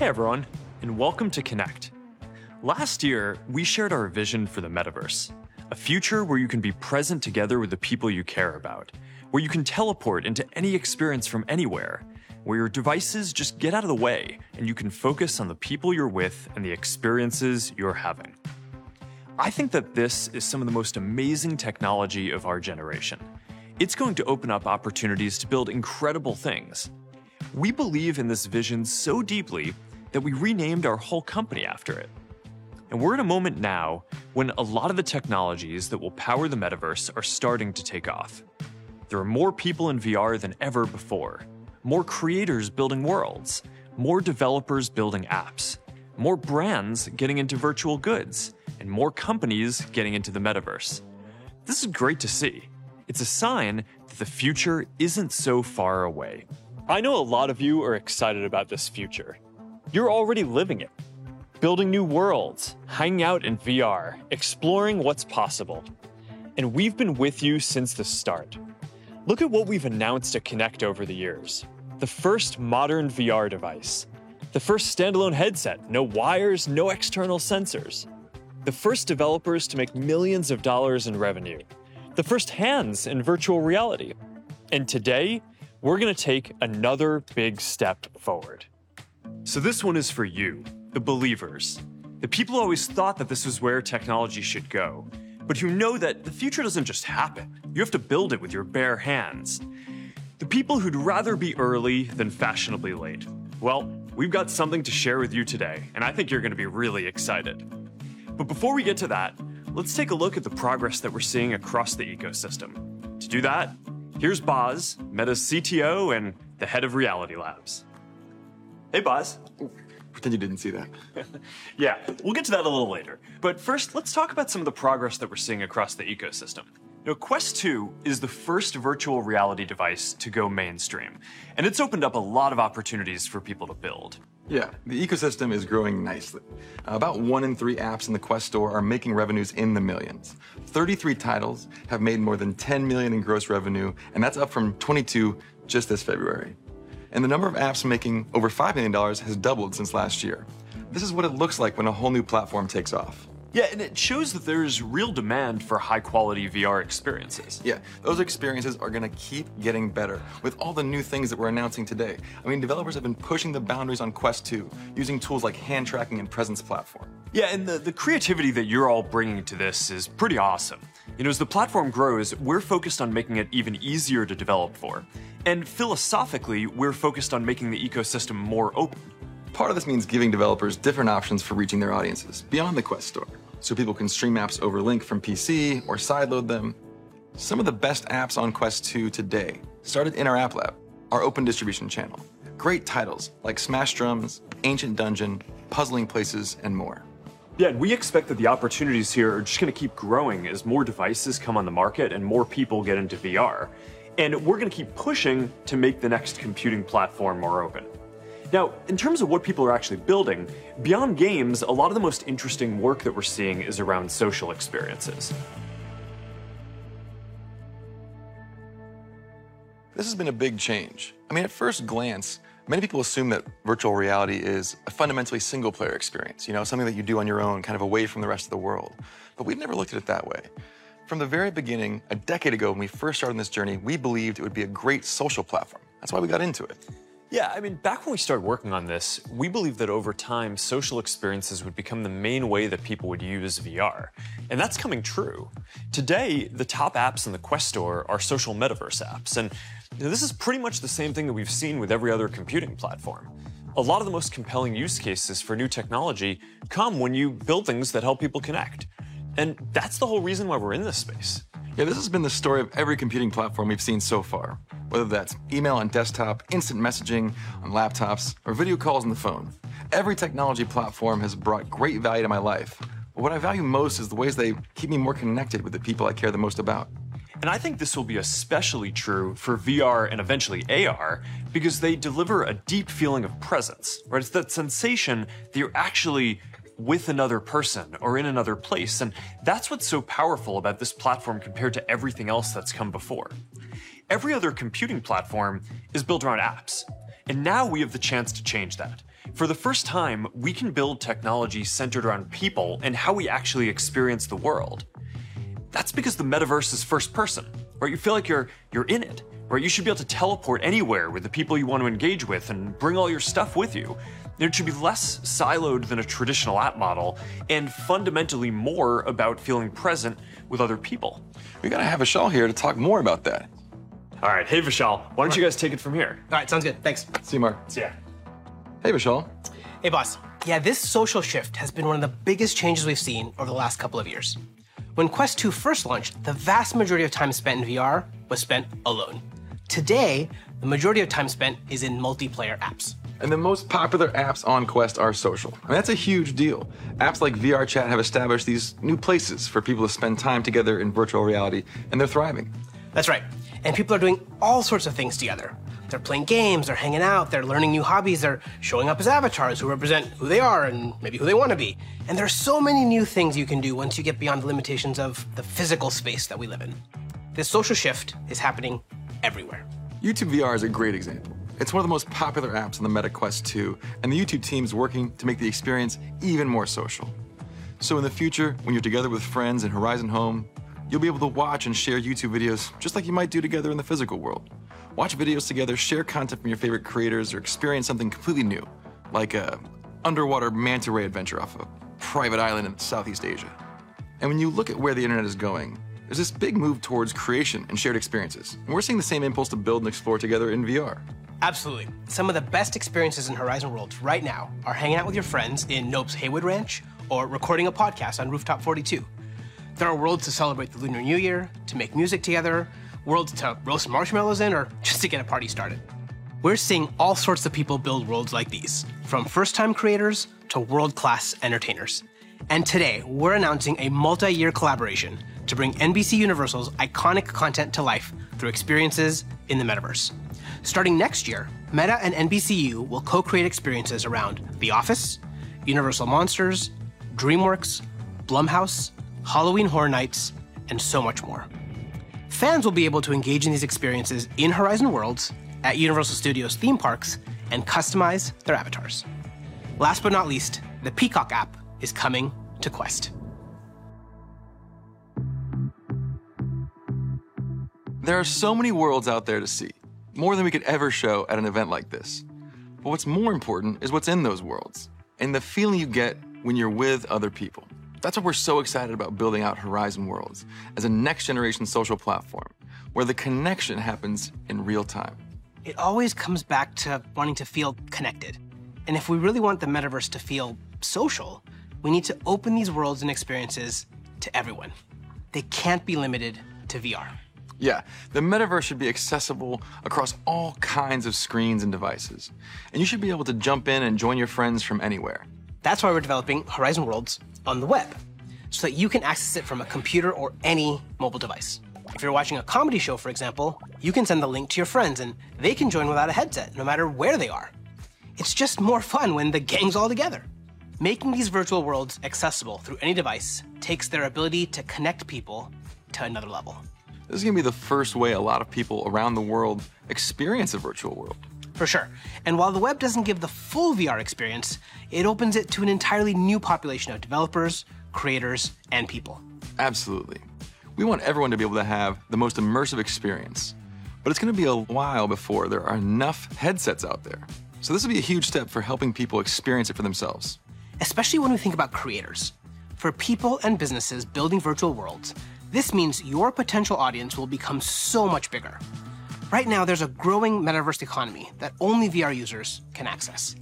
Hey, everyone, and welcome to Connect. Last year, we shared our vision for the metaverse, a future where you can be present together with the people you care about, where you can teleport into any experience from anywhere, where your devices just get out of the way, and you can focus on the people you're with and the experiences you're having. I think that this is some of the most amazing technology of our generation. It's going to open up opportunities to build incredible things. We believe in this vision so deeply that we renamed our whole company after it, and we're in a moment now when a lot of the technologies that will power the metaverse are starting to take off. There are more people in VR than ever before, more creators building worlds, more developers building apps, more brands getting into virtual goods, and more companies getting into the metaverse. This is great to see. It's a sign that the future isn't so far away. I know a lot of you are excited about this future. You're already living it, building new worlds, hanging out in VR, exploring what's possible, and we've been with you since the start. Look at what we've announced at Connect over the years. The first modern VR device. The first standalone headset, no wires, no external sensors. The first developers to make millions of dollars in revenue. The first hands in virtual reality. Today, we're gonna take another big step forward. This one is for you, the believers, the people who always thought that this was where technology should go, but who know that the future doesn't just happen. You have to build it with your bare hands. The people who'd rather be early than fashionably late. Well, we've got something to share with you today, and I think you're gonna be really excited. Before we get to that, let's take a look at the progress that we're seeing across the ecosystem. To do that, here's Boz, Meta's CTO and the head of Reality Labs. Hey, Boz. Ooh, pretend you didn't see that. Yeah. We'll get to that a little later, but first, let's talk about some of the progress that we're seeing across the ecosystem. You know, Quest 2 is the first virtual reality device to go mainstream, and it's opened up a lot of opportunities for people to build. Yeah. The ecosystem is growing nicely. About one in three apps in the Quest Store are making revenues in the millions. 33 titles have made more than $10 million in gross revenue, and that's up from 22 just this February. The number of apps making over $5 million has doubled since last year. This is what it looks like when a whole new platform takes off. Yeah, it shows that there's real demand for high-quality VR experiences. Yeah. Those experiences are gonna keep getting better with all the new things that we're announcing today. I mean, developers have been pushing the boundaries on Quest 2 using tools like hand tracking and Presence Platform. Yeah, the creativity that you're all bringing to this is pretty awesome. You know, as the platform grows, we're focused on making it even easier to develop for, and philosophically, we're focused on making the ecosystem more open. Part of this means giving developers different options for reaching their audiences beyond the Quest Store so people can stream apps over Link from PC or sideload them. Some of the best apps on Quest 2 today started in our App Lab, our open distribution channel. Great titles like Smash Drums, Ancient Dungeon, Puzzling Places, and more. Yeah, we expect that the opportunities here are just gonna keep growing as more devices come on the market and more people get into VR, and we're gonna keep pushing to make the next computing platform more open. Now, in terms of what people are actually building, beyond games, a lot of the most interesting work that we're seeing is around social experiences. This has been a big change. I mean, at first glance, many people assume that virtual reality is a fundamentally single-player experience. You know, something that you do on your own, kind of away from the rest of the world, but we've never looked at it that way. From the very beginning, a decade ago, when we first started on this journey, we believed it would be a great social platform. That's why we got into it. Yeah. I mean, back when we started working on this, we believed that over time, social experiences would become the main way that people would use VR, and that's coming true. Today, the top apps in the Quest Store are social metaverse apps, and, you know, this is pretty much the same thing that we've seen with every other computing platform. A lot of the most compelling use cases for new technology come when you build things that help people connect, and that's the whole reason why we're in this space. Yeah, this has been the story of every computing platform we've seen so far, whether that's email on desktop, instant messaging on laptops, or video calls on the phone. Every technology platform has brought great value to my life, but what I value most is the ways they keep me more connected with the people I care the most about. I think this will be especially true for VR and eventually AR because they deliver a deep feeling of presence, right? It's that sensation that you're actually with another person or in another place, and that's what's so powerful about this platform compared to everything else that's come before. Every other computing platform is built around apps, and now we have the chance to change that. For the first time, we can build technology centered around people and how we actually experience the world. That's because the metaverse is first person, right? You feel like you're in it, right? You should be able to teleport anywhere with the people you want to engage with and bring all your stuff with you. It should be less siloed than a traditional app model and fundamentally more about feeling present with other people. We're gonna have Vishal here to talk more about that. All right. Hey, Vishal. Hi. Why don't you guys take it from here? All right, sounds good. Thanks. See you, Mark. See you. Hey, Vishal. Hey, Boz. Yeah, this social shift has been one of the biggest changes we've seen over the last couple of years. When Quest 2 first launched, the vast majority of time spent in VR was spent alone. Today, the majority of time spent is in multiplayer apps. The most popular apps on Quest are social. I mean, that's a huge deal. Apps like VRChat have established these new places for people to spend time together in virtual reality, and they're thriving. That's right, people are doing all sorts of things together. They're playing games, they're hanging out, they're learning new hobbies, they're showing up as avatars who represent who they are and maybe who they wanna be. There are so many new things you can do once you get beyond the limitations of the physical space that we live in. This social shift is happening everywhere. YouTube VR is a great example. It's one of the most popular apps on the Meta Quest 2, and the YouTube team's working to make the experience even more social. In the future, when you're together with friends in Horizon Home, you'll be able to watch and share YouTube videos just like you might do together in the physical world. Watch videos together, share content from your favorite creators, or experience something completely new, like a underwater manta ray adventure off a private island in Southeast Asia. When you look at where the internet is going, there's this big move towards creation and shared experiences, and we're seeing the same impulse to build and explore together in VR. Absolutely. Some of the best experiences in Horizon Worlds right now are hanging out with your friends in Nope's Haywood Ranch or recording a podcast on Rooftop 42. There are worlds to celebrate the Lunar New Year, to make music together, worlds to roast marshmallows in or just to get a party started. We're seeing all sorts of people build worlds like these, from first-time creators to world-class entertainers. Today, we're announcing a multi-year collaboration to bring NBCUniversal's iconic content to life through experiences in the metaverse. Starting next year, Meta and NBCU will co-create experiences around The Office, Universal Monsters, DreamWorks, Blumhouse, Halloween Horror Nights, and so much more. Fans will be able to engage in these experiences in Horizon Worlds at Universal Studios theme parks and customize their avatars. Last but not least, the Peacock app is coming to Quest. There are so many worlds out there to see, more than we could ever show at an event like this. What's more important is what's in those worlds, and the feeling you get when you're with other people. That's why we're so excited about building out Horizon Worlds as a next-generation social platform where the connection happens in real time. It always comes back to wanting to feel connected. If we really want the metaverse to feel social, we need to open these worlds and experiences to everyone. They can't be limited to VR. Yeah. The metaverse should be accessible across all kinds of screens and devices, and you should be able to jump in and join your friends from anywhere. That's why we're developing Horizon Worlds on the web, so that you can access it from a computer or any mobile device. If you're watching a comedy show, for example, you can send the link to your friends, and they can join without a headset, no matter where they are. It's just more fun when the gang's all together. Making these virtual worlds accessible through any device takes their ability to connect people to another level. This is gonna be the first way a lot of people around the world experience a virtual world. For sure. While the web doesn't give the full VR experience, it opens it to an entirely new population of developers, creators, and people. Absolutely. We want everyone to be able to have the most immersive experience, but it's gonna be a while before there are enough headsets out there, so this'll be a huge step for helping people experience it for themselves. Especially when we think about creators. For people and businesses building virtual worlds, this means your potential audience will become so much bigger. Right now, there's a growing metaverse economy that only VR users can access.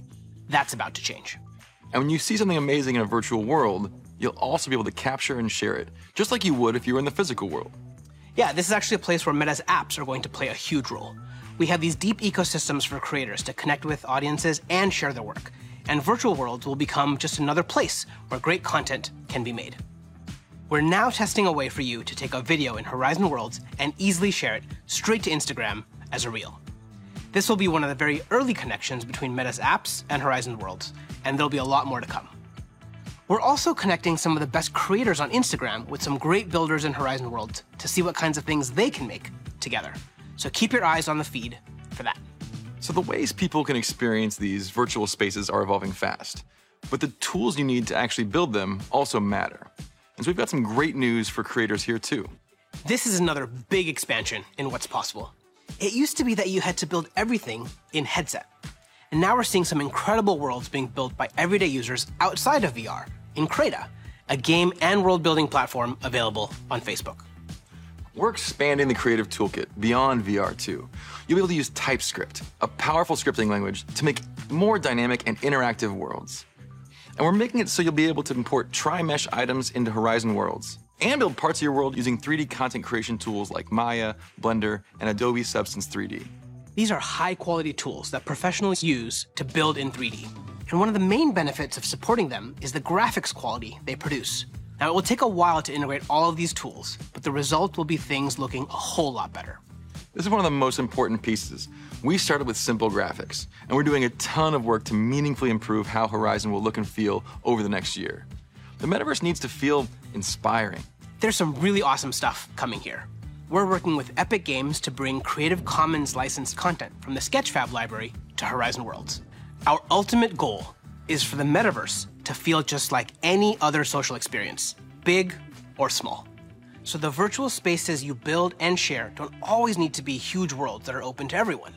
That's about to change. When you see something amazing in a virtual world, you'll also be able to capture and share it, just like you would if you were in the physical world. Yeah. This is actually a place where Meta's apps are going to play a huge role. We have these deep ecosystems for creators to connect with audiences and share their work, and virtual worlds will become just another place where great content can be made. We're now testing a way for you to take a video in Horizon Worlds and easily share it straight to Instagram as a Reel. This will be one of the very early connections between Meta's apps and Horizon Worlds, and there'll be a lot more to come. We're also connecting some of the best creators on Instagram with some great builders in Horizon Worlds to see what kinds of things they can make together. Keep your eyes on the feed for that. The ways people can experience these virtual spaces are evolving fast, but the tools you need to actually build them also matter. We've got some great news for creators here, too. This is another big expansion in what's possible. It used to be that you had to build everything in headset, and now we're seeing some incredible worlds being built by everyday users outside of VR in Crayta, a game and world-building platform available on Facebook. We're expanding the creative toolkit beyond VR, too. You'll be able to use TypeScript, a powerful scripting language, to make more dynamic and interactive worlds. We're making it so you'll be able to import tri-mesh items into Horizon Worlds and build parts of your world using 3D content creation tools like Maya, Blender, and Adobe Substance 3D. These are high-quality tools that professionals use to build in 3D. One of the main benefits of supporting them is the graphics quality they produce. Now, it will take a while to integrate all of these tools, but the result will be things looking a whole lot better. This is one of the most important pieces. We started with simple graphics, and we're doing a ton of work to meaningfully improve how Horizon will look and feel over the next year. The metaverse needs to feel inspiring. There's some really awesome stuff coming here. We're working with Epic Games to bring Creative Commons-licensed content from the Sketchfab library to Horizon Worlds. Our ultimate goal is for the metaverse to feel just like any other social experience, big or small. The virtual spaces you build and share don't always need to be huge worlds that are open to everyone.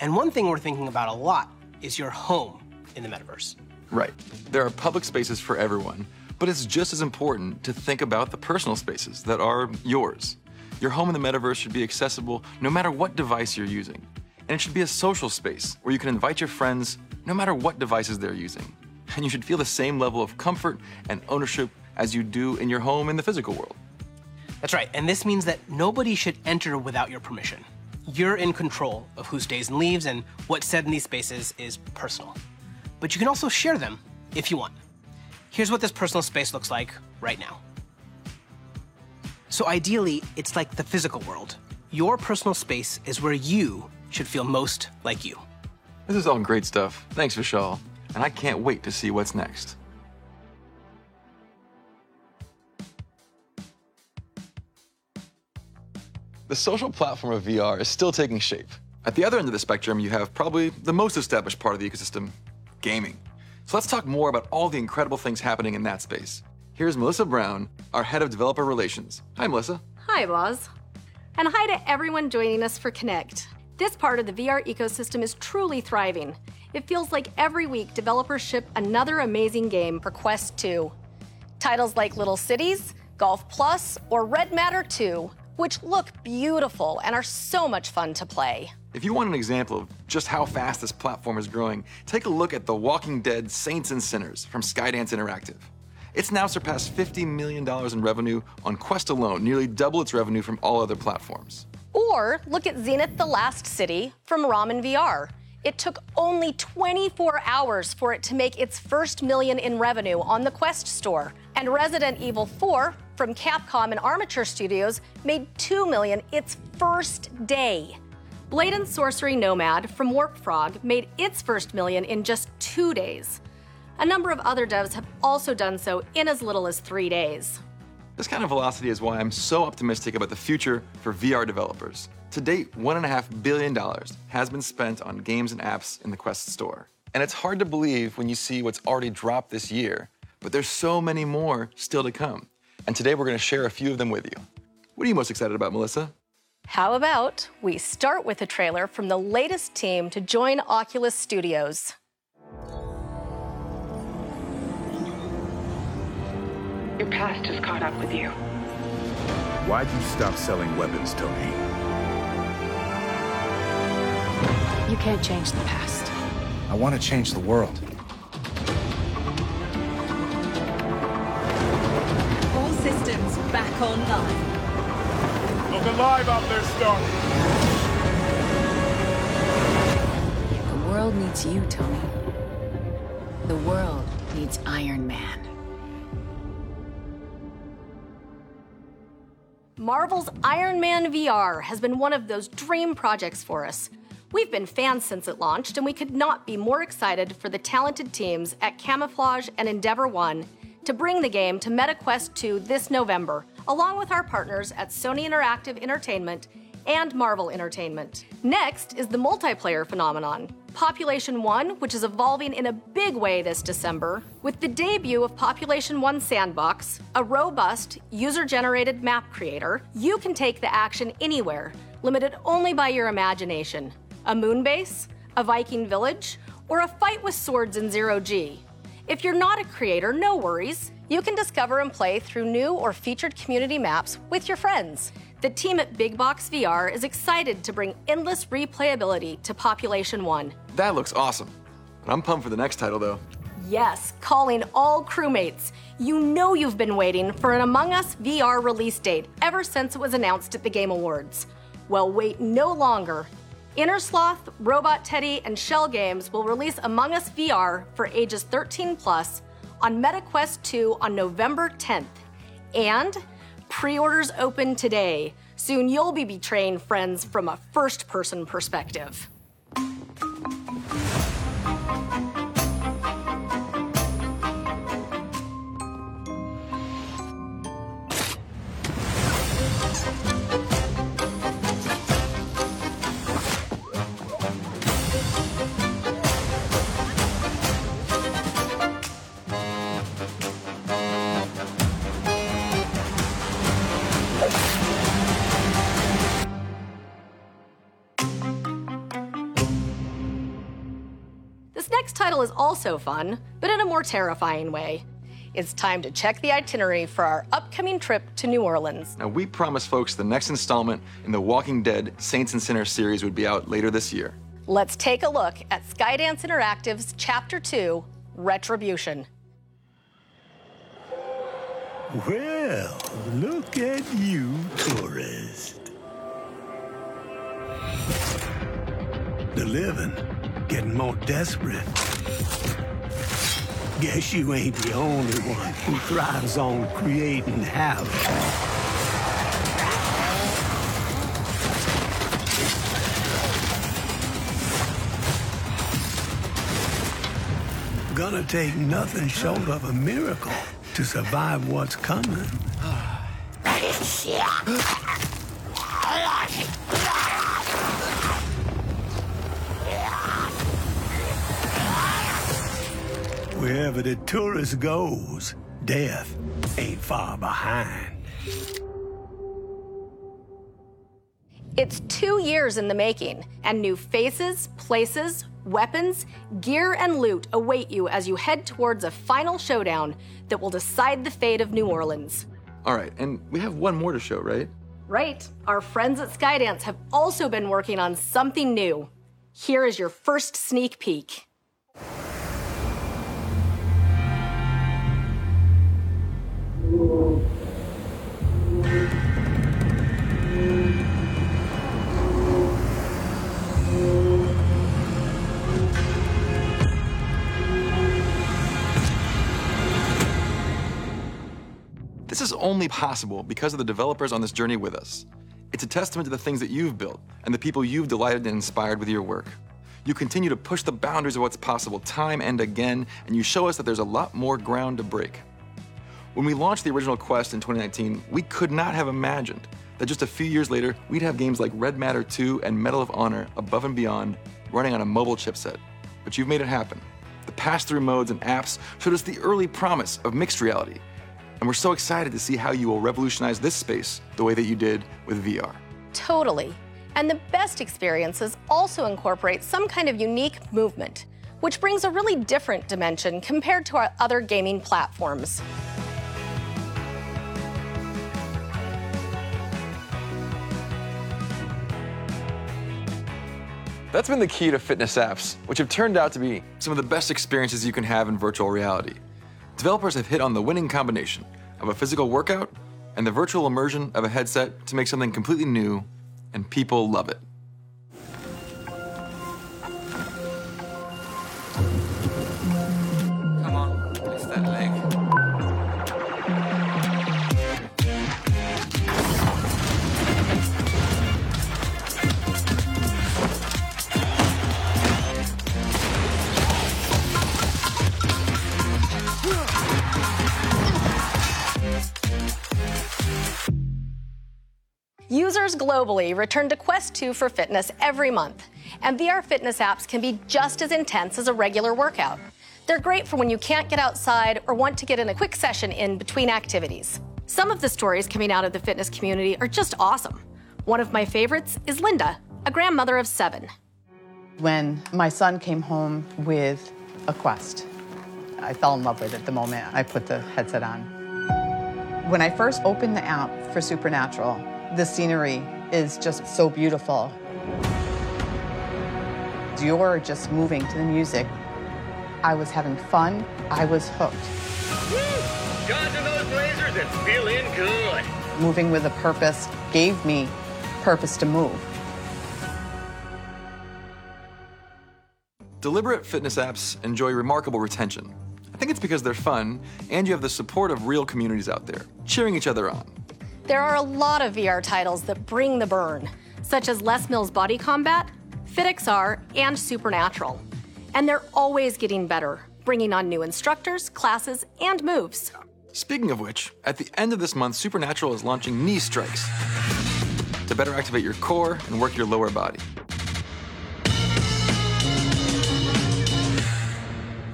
One thing we're thinking about a lot is your home in the metaverse. Right. There are public spaces for everyone, but it's just as important to think about the personal spaces that are yours. Your home in the metaverse should be accessible no matter what device you're using, and it should be a social space where you can invite your friends no matter what devices they're using. You should feel the same level of comfort and ownership as you do in your home in the physical world. That's right, and this means that nobody should enter without your permission. You're in control of who stays and leaves, and what's said in these spaces is personal. You can also share them if you want. Here's what this personal space looks like right now. Ideally, it's like the physical world. Your personal space is where you should feel most like you. This is all great stuff. Thanks, Vishal. I can't wait to see what's next. The social platform of VR is still taking shape. At the other end of the spectrum, you have probably the most established part of the ecosystem, gaming. Let's talk more about all the incredible things happening in that space. Here's Melissa Brown, our Head of Developer Relations. Hi, Melissa. Hi, Boz. Hi to everyone joining us for Connect. This part of the VR ecosystem is truly thriving. It feels like every week developers ship another amazing game for Quest 2. Titles like Little Cities, GOLF+, or Red Matter 2, which look beautiful and are so much fun to play. If you want an example of just how fast this platform is growing, take a look at The Walking Dead: Saints & Sinners from Skydance Interactive. It's now surpassed $50 million in revenue on Quest alone, nearly double its revenue from all other platforms. Look at Zenith: The Last City from Ramen VR. It took only 24 hours for it to make its first $1 million in revenue on the Quest Store. Resident Evil 4 from Capcom and Armature Studio made $2 million its first day. Blade & Sorcery: Nomad from WarpFrog made its first $1 million in just two days. A number of other devs have also done so in as little as three days. This kind of velocity is why I'm so optimistic about the future for VR developers. To date, $1.5 billion has been spent on games and apps in the Quest store. It's hard to believe when you see what's already dropped this year, but there's so many more still to come, and today we're gonna share a few of them with you. What are you most excited about, Melissa? How about we start with a trailer from the latest team to join Oculus Studios. Your past has caught up with you. Why'd you stop selling weapons, Tony? You can't change the past. I wanna change the world. All systems back online. Look alive out there, Stark. The world needs you, Tony. The world needs Iron Man. Marvel's Iron Man VR has been one of those dream projects for us. We've been fans since it launched, and we could not be more excited for the talented teams at Camouflaj and Endeavor One to bring the game to Meta Quest 2 this November, along with our partners at Sony Interactive Entertainment and Marvel Entertainment. Next is the multiplayer phenomenon, POPULATION: ONE, which is evolving in a big way this December. With the debut of POPULATION: ONE Sandbox, a robust user-generated map creator, you can take the action anywhere, limited only by your imagination. A moon base, a Viking village, or a fight with swords in zero G. If you're not a creator, no worries. You can discover and play through new or featured community maps with your friends. The team at BigBox VR is excited to bring endless replayability to POPULATION: ONE. That looks awesome. I'm pumped for the next title, though. Yes. Calling all crew mates. You know you've been waiting for an Among Us VR release date ever since it was announced at The Game Awards. Well, wait no longer. Innersloth, Robot Teddy, and Schell Games will release Among Us VR for ages 13 plus on Meta Quest 2 on November 10th, and pre-orders open today. Soon you'll be betraying friends from a first-person perspective. This next title is also fun, but in a more terrifying way. It's time to check the itinerary for our upcoming trip to New Orleans. Now, we promised folks the next installment in The Walking Dead: Saints & Sinners series would be out later this year. Let's take a look at Skydance Interactive's Chapter 2: Retribution. Well, look at you, tourist. The living getting more desperate. Guess you ain't the only one who thrives on creating havoc. Gonna take nothing short of a miracle to survive what's coming. Wherever the tourist goes, death ain't far behind. It's two years in the making, and new faces, places, weapons, gear, and loot await you as you head towards a final showdown that will decide the fate of New Orleans. All right, we have one more to show, right? Right. Our friends at Skydance have also been working on something new. Here is your first sneak peek. This is only possible because of the developers on this journey with us. It's a testament to the things that you've built and the people you've delighted and inspired with your work. You continue to push the boundaries of what's possible time and again, and you show us that there's a lot more ground to break. When we launched the original Quest in 2019, we could not have imagined that just a few years later we'd have games like Red Matter 2 and Medal of Honor: Above and Beyond running on a mobile chipset, but you've made it happen. The pass-through modes and apps showed us the early promise of mixed reality, and we're so excited to see how you will revolutionize this space the way that you did with VR. Totally. The best experiences also incorporate some kind of unique movement, which brings a really different dimension compared to our other gaming platforms. That's been the key to fitness apps, which have turned out to be some of the best experiences you can have in virtual reality. Developers have hit on the winning combination of a physical workout and the virtual immersion of a headset to make something completely new, and people love it. Come on, lift that leg. Users globally return to Quest 2 for fitness every month, and VR fitness apps can be just as intense as a regular workout. They're great for when you can't get outside or want to get in a quick session in between activities. Some of the stories coming out of the fitness community are just awesome. One of my favorites is Linda, a grandmother of seven. When my son came home with a Quest, I fell in love with it the moment I put the headset on. When I first opened the app for Supernatural, the scenery is just so beautiful. You're just moving to the music. I was having fun. I was hooked. Whoo. Dodging those lasers and feeling good. Moving with a purpose gave me purpose to move. Deliberate fitness apps enjoy remarkable retention. I think it's because they're fun, and you have the support of real communities out there cheering each other on. There are a lot of VR titles that bring the burn, such as Les Mills BodyCombat, FitXR, and Supernatural. They're always getting better, bringing on new instructors, classes, and moves. Speaking of which, at the end of this month, Supernatural is launching knee strikes to better activate your core and work your lower body.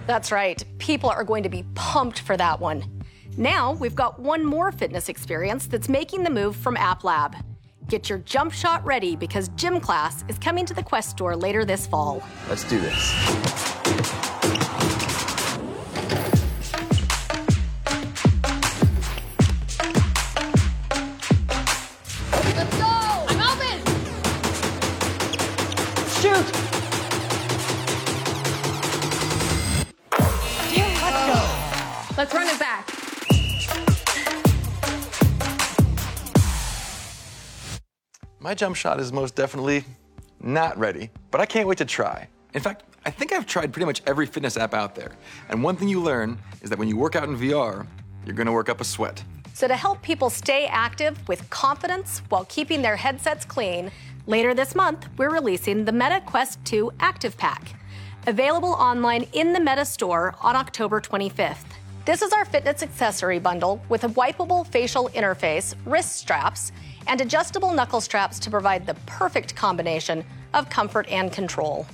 That's right. People are going to be pumped for that one. Now, we've got one more fitness experience that's making the move from App Lab. Get your jump shot ready because Gym Class is coming to the Quest Store later this fall. Let's do this. Shoot. Jimmy let's go. Let's run it back. My jump shot is most definitely not ready, but I can't wait to try. In fact, I think I've tried pretty much every fitness app out there, and one thing you learn is that when you work out in VR, you're gonna work up a sweat. To help people stay active with confidence while keeping their headsets clean, later this month, we're releasing the Meta Quest 2 Active Pack, available online in the Meta store on October 25th. This is our fitness accessory bundle with a wipeable facial interface, wrist straps, and adjustable knuckle straps to provide the perfect combination of comfort and control.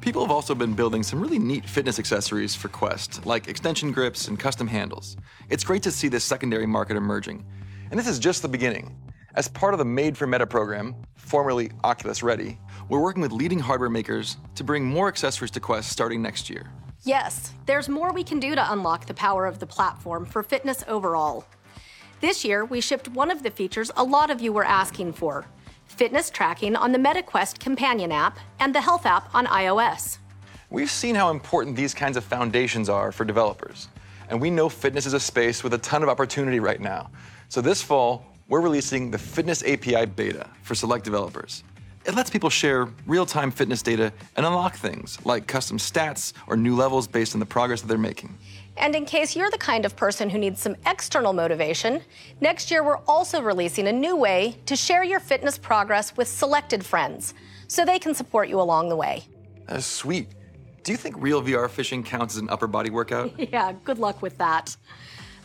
People have also been building some really neat fitness accessories for Quest, like extension grips and custom handles. It's great to see this secondary market emerging, and this is just the beginning. As part of the Made for Meta program, formerly Oculus Ready, we're working with leading hardware makers to bring more accessories to Quest starting next year. Yes, there's more we can do to unlock the power of the platform for fitness overall. This year, we shipped one of the features a lot of you were asking for, fitness tracking on the Meta Quest companion app and the health app on iOS. We've seen how important these kinds of foundations are for developers, and we know fitness is a space with a ton of opportunity right now. This fall, we're releasing the Fitness API beta for select developers. It lets people share real-time fitness data and unlock things like custom stats or new levels based on the progress that they're making. In case you're the kind of person who needs some external motivation, next year, we're also releasing a new way to share your fitness progress with selected friends so they can support you along the way. That's sweet. Do you think real VR Fishing counts as an upper body workout? Yeah, good luck with that.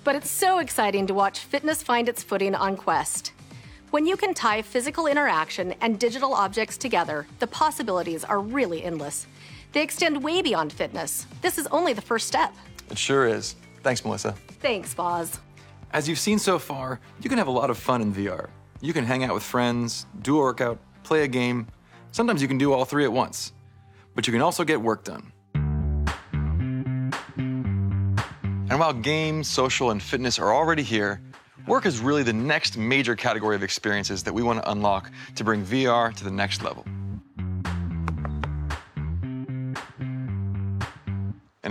It's so exciting to watch fitness find its footing on Quest. When you can tie physical interaction and digital objects together, the possibilities are really endless. They extend way beyond fitness. This is only the first step. It sure is. Thanks, Melissa. Thanks, Boz. As you've seen so far, you can have a lot of fun in VR. You can hang out with friends, do a workout, play a game. Sometimes you can do all three at once, but you can also get work done. While games, social, and fitness are already here, work is really the next major category of experiences that we wanna unlock to bring VR to the next level.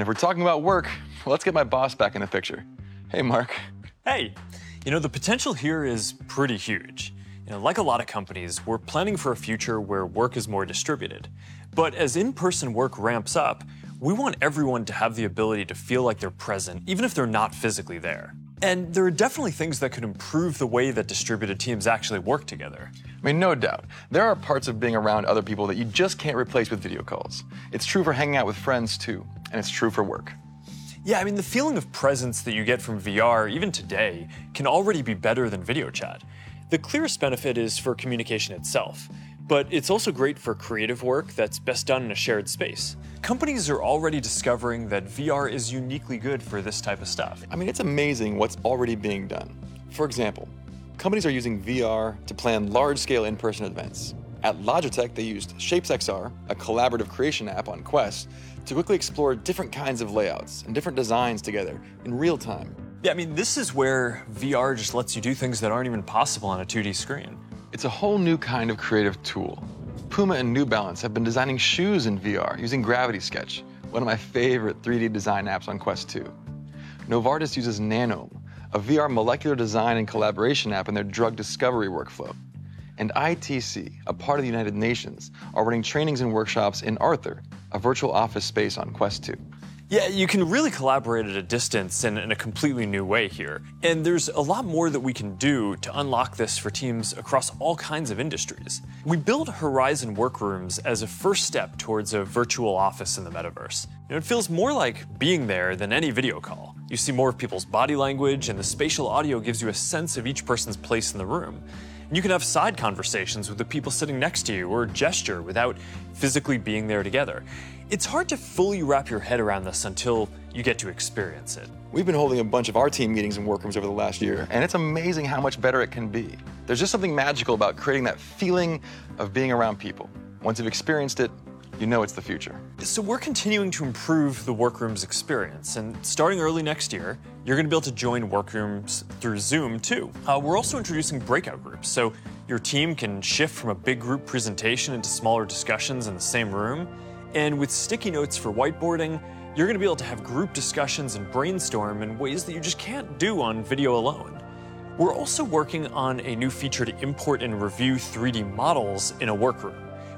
If we're talking about work, let's get my boss back in the picture. Hey, Mark. Hey. You know, the potential here is pretty huge. You know, like a lot of companies, we're planning for a future where work is more distributed, but as in-person work ramps up, we want everyone to have the ability to feel like they're present even if they're not physically there, and there are definitely things that could improve the way that distributed teams actually work together. I mean, no doubt. There are parts of being around other people that you just can't replace with video calls. It's true for hanging out with friends too, and it's true for work. Yeah. I mean, the feeling of presence that you get from VR, even today, can already be better than video chat. The clearest benefit is for communication itself, but it's also great for creative work that's best done in a shared space. Companies are already discovering that VR is uniquely good for this type of stuff. I mean, it's amazing what's already being done. For example, companies are using VR to plan large-scale in-person events. At Logitech, they used ShapesXR, a collaborative creation app on Quest to quickly explore different kinds of layouts and different designs together in real time. Yeah, I mean, this is where VR just lets you do things that aren't even possible on a 2D screen. It's a whole new kind of creative tool. Puma and New Balance have been designing shoes in VR using Gravity Sketch, one of my favorite 3D design apps on Quest 2. Novartis uses Nanome, a VR molecular design and collaboration app in their drug discovery workflow. ITC, a part of the United Nations, are running trainings and workshops in Arthur, a virtual office space on Quest 2. Yeah, you can really collaborate at a distance in a completely new way here, and there's a lot more that we can do to unlock this for teams across all kinds of industries. We build Horizon Workrooms as a first step towards a virtual office in the metaverse, and it feels more like being there than any video call. You see more of people's body language, and the spatial audio gives you a sense of each person's place in the room, and you can have side conversations with the people sitting next to you or gesture without physically being there together. It's hard to fully wrap your head around this until you get to experience it. We've been holding a bunch of our team meetings in Workrooms over the last year, and it's amazing how much better it can be. There's just something magical about creating that feeling of being around people. Once you've experienced it, you know it's the future. We're continuing to improve the Workrooms experience, and starting early next year, you're gonna be able to join Workrooms through Zoom too. We're also introducing breakout groups so your team can shift from a big group presentation into smaller discussions in the same room, and with sticky notes for whiteboarding, you're gonna be able to have group discussions and brainstorm in ways that you just can't do on video alone. We're also working on a new feature to import and review 3D models in a Workroom,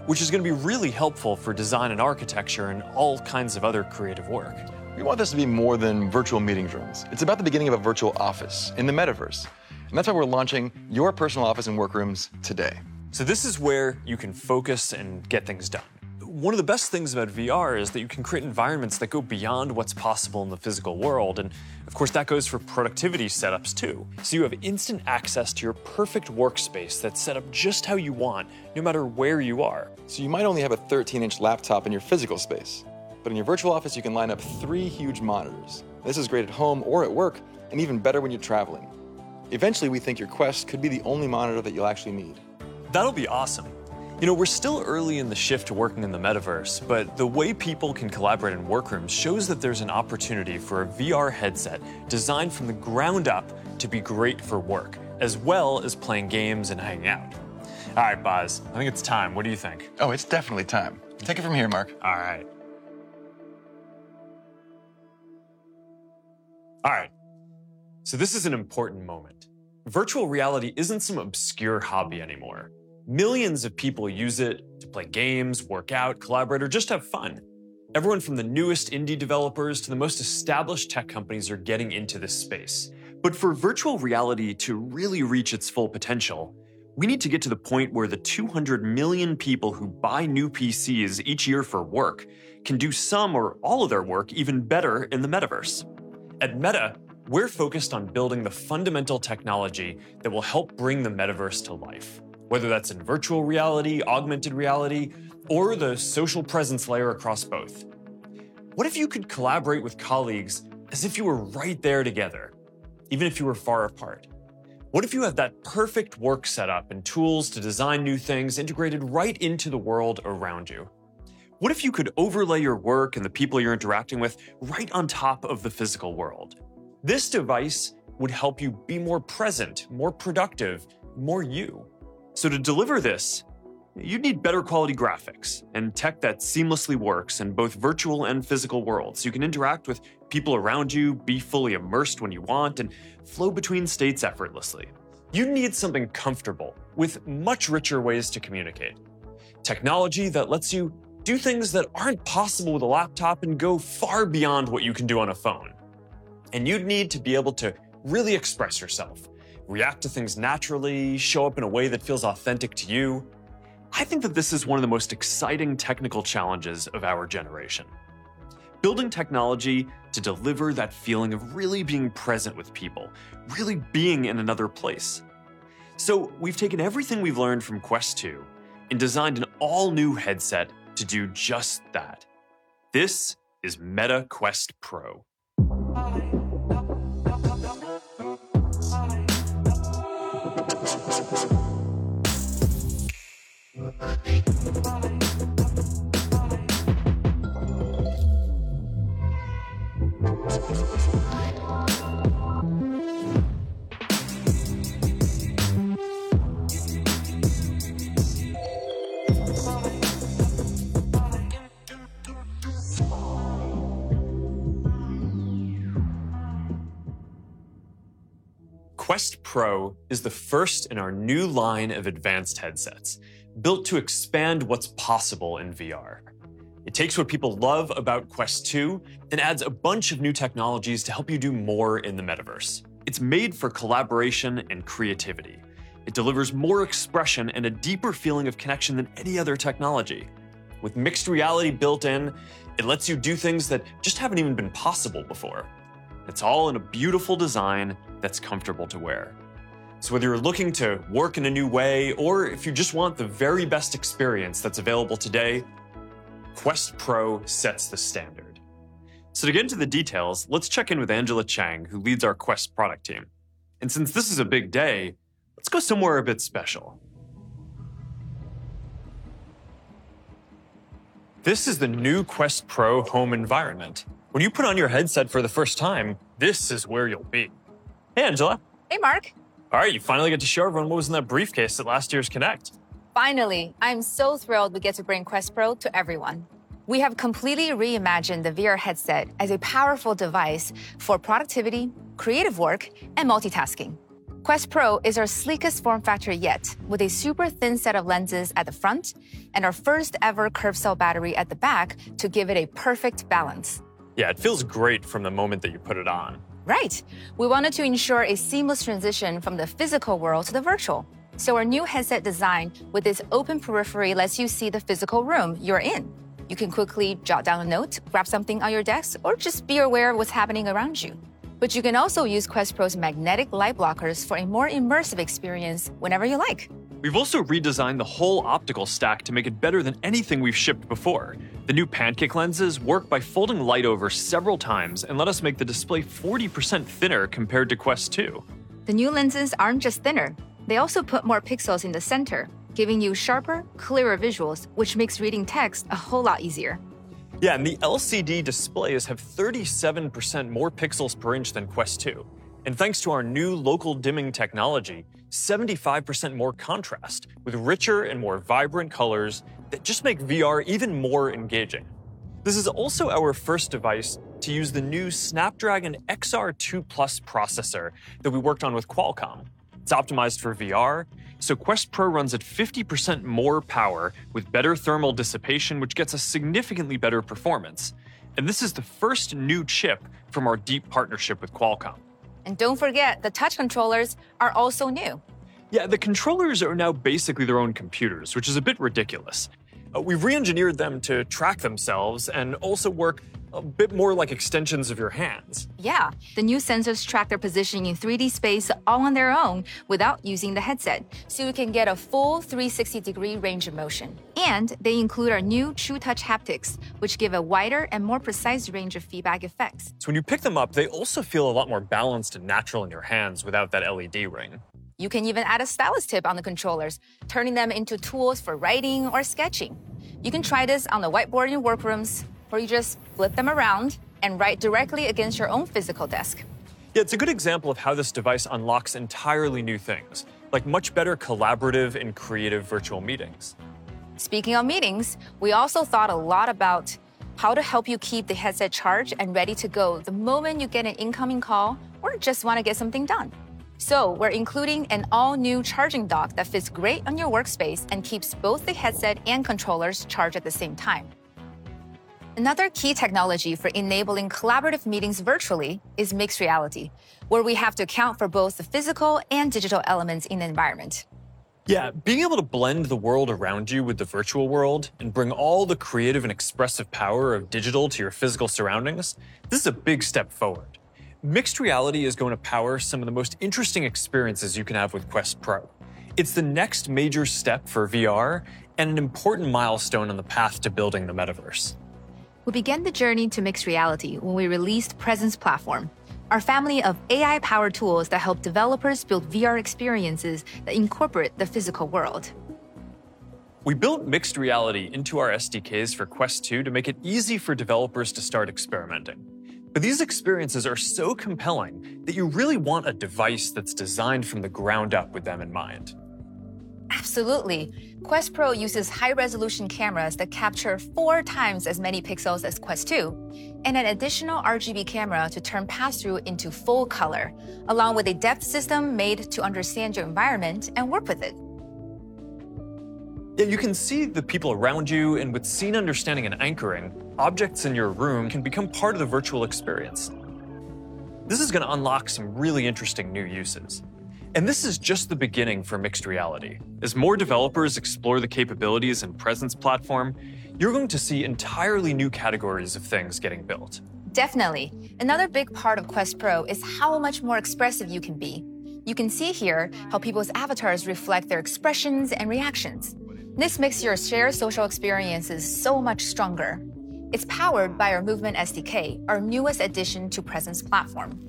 which is gonna be really helpful for design and architecture and all kinds of other creative work. We want this to be more than virtual meeting rooms. It's about the beginning of a virtual office in the metaverse, and that's why we're launching your personal office in Workrooms today. This is where you can focus and get things done. One of the best things about VR is that you can create environments that go beyond what's possible in the physical world, and of course, that goes for productivity setups too. You have instant access to your perfect workspace that's set up just how you want, no matter where you are. You might only have a 13-inch laptop in your physical space, but in your virtual office you can line up three huge monitors. This is great at home or at work, and even better when you're traveling. Eventually, we think your Quest could be the only monitor that you'll actually need. That'll be awesome. You know, we're still early in the shift to working in the metaverse, but the way people can collaborate in Workrooms shows that there's an opportunity for a VR headset designed from the ground up to be great for work, as well as playing games and hanging out. All right, Boz. I think it's time. What do you think? Oh, it's definitely time. Take it from here, Mark. All right. This is an important moment. Virtual reality isn't some obscure hobby anymore. Millions of people use it to play games, work out, collaborate, or just to have fun. Everyone from the newest indie developers to the most established tech companies are getting into this space. For virtual reality to really reach its full potential, we need to get to the point where the 200 million people who buy new PCs each year for work can do some or all of their work even better in the metaverse. At Meta, we're focused on building the fundamental technology that will help bring the metaverse to life, whether that's in virtual reality, augmented reality, or the social presence layer across both. What if you could collaborate with colleagues as if you were right there together, even if you were far apart? What if you had that perfect work set up and tools to design new things integrated right into the world around you? What if you could overlay your work and the people you're interacting with right on top of the physical world? This device would help you be more present, more productive, more you. To deliver this, you'd need better quality graphics and tech that seamlessly works in both virtual and physical worlds. You can interact with people around you, be fully immersed when you want, and flow between states effortlessly. You need something comfortable with much richer ways to communicate, technology that lets you do things that aren't possible with a laptop and go far beyond what you can do on a phone, and you'd need to be able to really express yourself, react to things naturally, show up in a way that feels authentic to you. I think that this is one of the most exciting technical challenges of our generation, building technology to deliver that feeling of really being present with people, really being in another place. We've taken everything we've learned from Quest 2 and designed an all-new headset to do just that. This is Meta Quest Pro. Quest Pro is the first in our new line of advanced headsets, built to expand what's possible in VR. It takes what people love about Quest 2 and adds a bunch of new technologies to help you do more in the metaverse. It's made for collaboration and creativity. It delivers more expression and a deeper feeling of connection than any other technology. With mixed reality built in, it lets you do things that just haven't even been possible before. It's all in a beautiful design that's comfortable to wear. Whether you're looking to work in a new way or if you just want the very best experience that's available today, Quest Pro sets the standard. To get into the details, let's check in with Angela Chang, who leads our Quest product team. Since this is a big day, let's go somewhere a bit special. This is the new Quest Pro home environment. When you put on your headset for the first time, this is where you'll be. Hey, Angela. Hey, Mark. All right, you finally get to show everyone what was in that briefcase at last year's Connect. Finally. I'm so thrilled we get to bring Quest Pro to everyone. We have completely reimagined the VR headset as a powerful device for productivity, creative work, and multitasking. Quest Pro is our sleekest form factor yet, with a super thin set of lenses at the front and our first ever curved cell battery at the back to give it a perfect balance. Yeah, it feels great from the moment that you put it on. Right. We wanted to ensure a seamless transition from the physical world to the virtual, so our new headset design with its open periphery lets you see the physical room you're in. You can quickly jot down a note, grab something on your desk, or just be aware of what's happening around you. You can also use Quest Pro's magnetic light blockers for a more immersive experience whenever you like. We've also redesigned the whole optical stack to make it better than anything we've shipped before. The new pancake lenses work by folding light over several times and let us make the display 40% thinner compared to Quest 2. The new lenses aren't just thinner. They also put more pixels in the center, giving you sharper, clearer visuals, which makes reading text a whole lot easier. Yeah, the LCD displays have 37% more pixels per inch than Quest 2, and thanks to our new local dimming technology, 75% more contrast, with richer and more vibrant colors that just make VR even more engaging. This is also our first device to use the new Snapdragon XR2+ processor that we worked on with Qualcomm. It's optimized for VR, so Quest Pro runs at 50% more power with better thermal dissipation, which gets us significantly better performance. This is the first new chip from our deep partnership with Qualcomm. Don't forget, the touch controllers are also new. Yeah, the controllers are now basically their own computers, which is a bit ridiculous. We've re-engineered them to track themselves and also work a bit more like extensions of your hands. Yeah. The new sensors track their position in 3D space all on their own without using the headset, so you can get a full 360-degree range of motion. They include our new TruTouch haptics, which give a wider and more precise range of feedback effects. When you pick them up, they also feel a lot more balanced and natural in your hands without that LED ring. You can even add a stylus tip on the controllers, turning them into tools for writing or sketching. You can try this on the whiteboard in your Workrooms, or you just flip them around and write directly against your own physical desk. Yeah, it's a good example of how this device unlocks entirely new things, like much better collaborative and creative virtual meetings. Speaking of meetings, we also thought a lot about how to help you keep the headset charged and ready to go the moment you get an incoming call or just wanna get something done. We're including an all-new charging dock that fits great on your workspace and keeps both the headset and controllers charged at the same time. Another key technology for enabling collaborative meetings virtually is mixed reality, where we have to account for both the physical and digital elements in the environment. Yeah. Being able to blend the world around you with the virtual world and bring all the creative and expressive power of digital to your physical surroundings, this is a big step forward. Mixed reality is going to power some of the most interesting experiences you can have with Quest Pro. It's the next major step for VR and an important milestone on the path to building the metaverse. We began the journey to mixed reality when we released Presence Platform, our family of AI-powered tools that help developers build VR experiences that incorporate the physical world. We built mixed reality into our SDKs for Quest 2 to make it easy for developers to start experimenting. These experiences are so compelling that you really want a device that's designed from the ground up with them in mind. Absolutely. Quest Pro uses high-resolution cameras that capture four times as many pixels as Quest 2, and an additional RGB camera to turn pass-through into full color, along with a depth system made to understand your environment and work with it. Yeah, you can see the people around you, and with scene understanding and anchoring, objects in your room can become part of the virtual experience. This is gonna unlock some really interesting new uses. This is just the beginning for mixed reality. As more developers explore the capabilities in Presence Platform, you're going to see entirely new categories of things getting built. Definitely. Another big part of Quest Pro is how much more expressive you can be. You can see here how people's avatars reflect their expressions and reactions. This makes your shared social experiences so much stronger. It's powered by our Movement SDK, our newest addition to Presence Platform.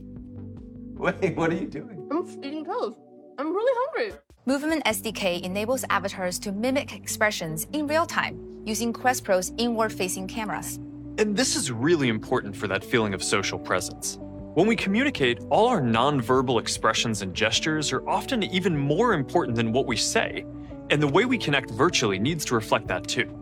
Wait, what are you doing? I'm eating toast. I'm really hungry. Movement SDK enables avatars to mimic expressions in real time using Quest Pro's inward-facing cameras. This is really important for that feeling of social presence. When we communicate, all our non-verbal expressions and gestures are often even more important than what we say, and the way we connect virtually needs to reflect that too.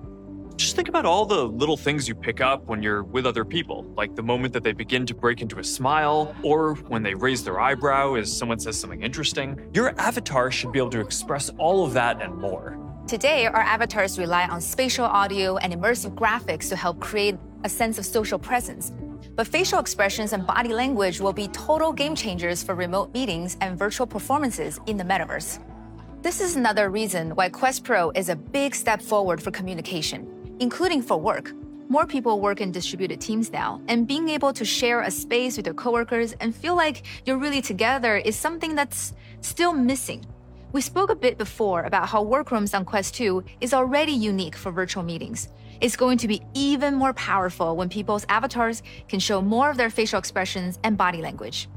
Just think about all the little things you pick up when you're with other people, like the moment that they begin to break into a smile, or when they raise their eyebrow as someone says something interesting. Your avatar should be able to express all of that and more. Today, our avatars rely on spatial audio and immersive graphics to help create a sense of social presence, but facial expressions and body language will be total game-changers for remote meetings and virtual performances in the metaverse. This is another reason why Quest Pro is a big step forward for communication, including for work. More people work in distributed teams now, and being able to share a space with your coworkers and feel like you're really together is something that's still missing. We spoke a bit before about how Workrooms on Quest 2 is already unique for virtual meetings. It's going to be even more powerful when people's avatars can show more of their facial expressions and body language.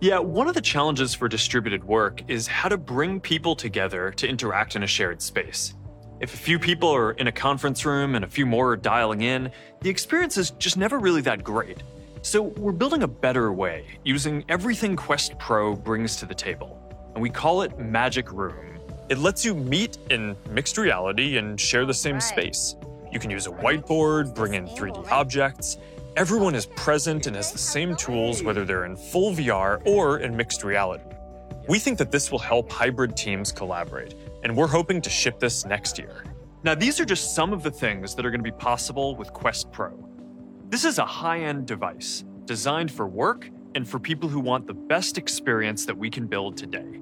Yeah. One of the challenges for distributed work is how to bring people together to interact in a shared space. If a few people are in a conference room and a few more are dialing in, the experience is just never really that great. We're building a better way using everything Quest Pro brings to the table, and we call it Magic Room. It lets you meet in mixed reality and share the same space. You can use a whiteboard. Bring in 3D objects. Everyone is present and has the same tools. Whether they're in full VR or in mixed reality. We think that this will help hybrid teams collaborate, and we're hoping to ship this next year. Now, these are just some of the things that are gonna be possible with Quest Pro. This is a high-end device designed for work and for people who want the best experience that we can build today.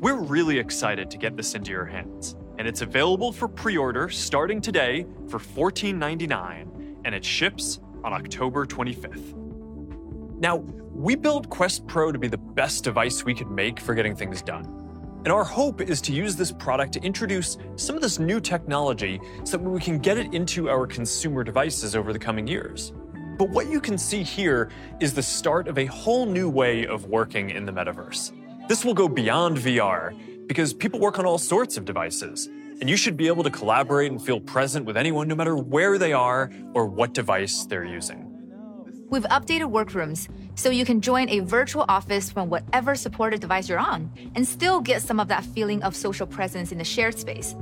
We're really excited to get this into your hands, and it's available for pre-order starting today for $1,499, and it ships on October 25th. Now, we built Quest Pro to be the best device we could make for getting things done, and our hope is to use this product to introduce some of this new technology, so that we can get it into our consumer devices over the coming years. What you can see here is the start of a whole new way of working in the metaverse. This will go beyond VR, because people work on all sorts of devices, and you should be able to collaborate and feel present with anyone, no matter where they are or what device they're using. We've updated Workrooms so you can join a virtual office from whatever supported device you're on and still get some of that feeling of social presence in a shared space.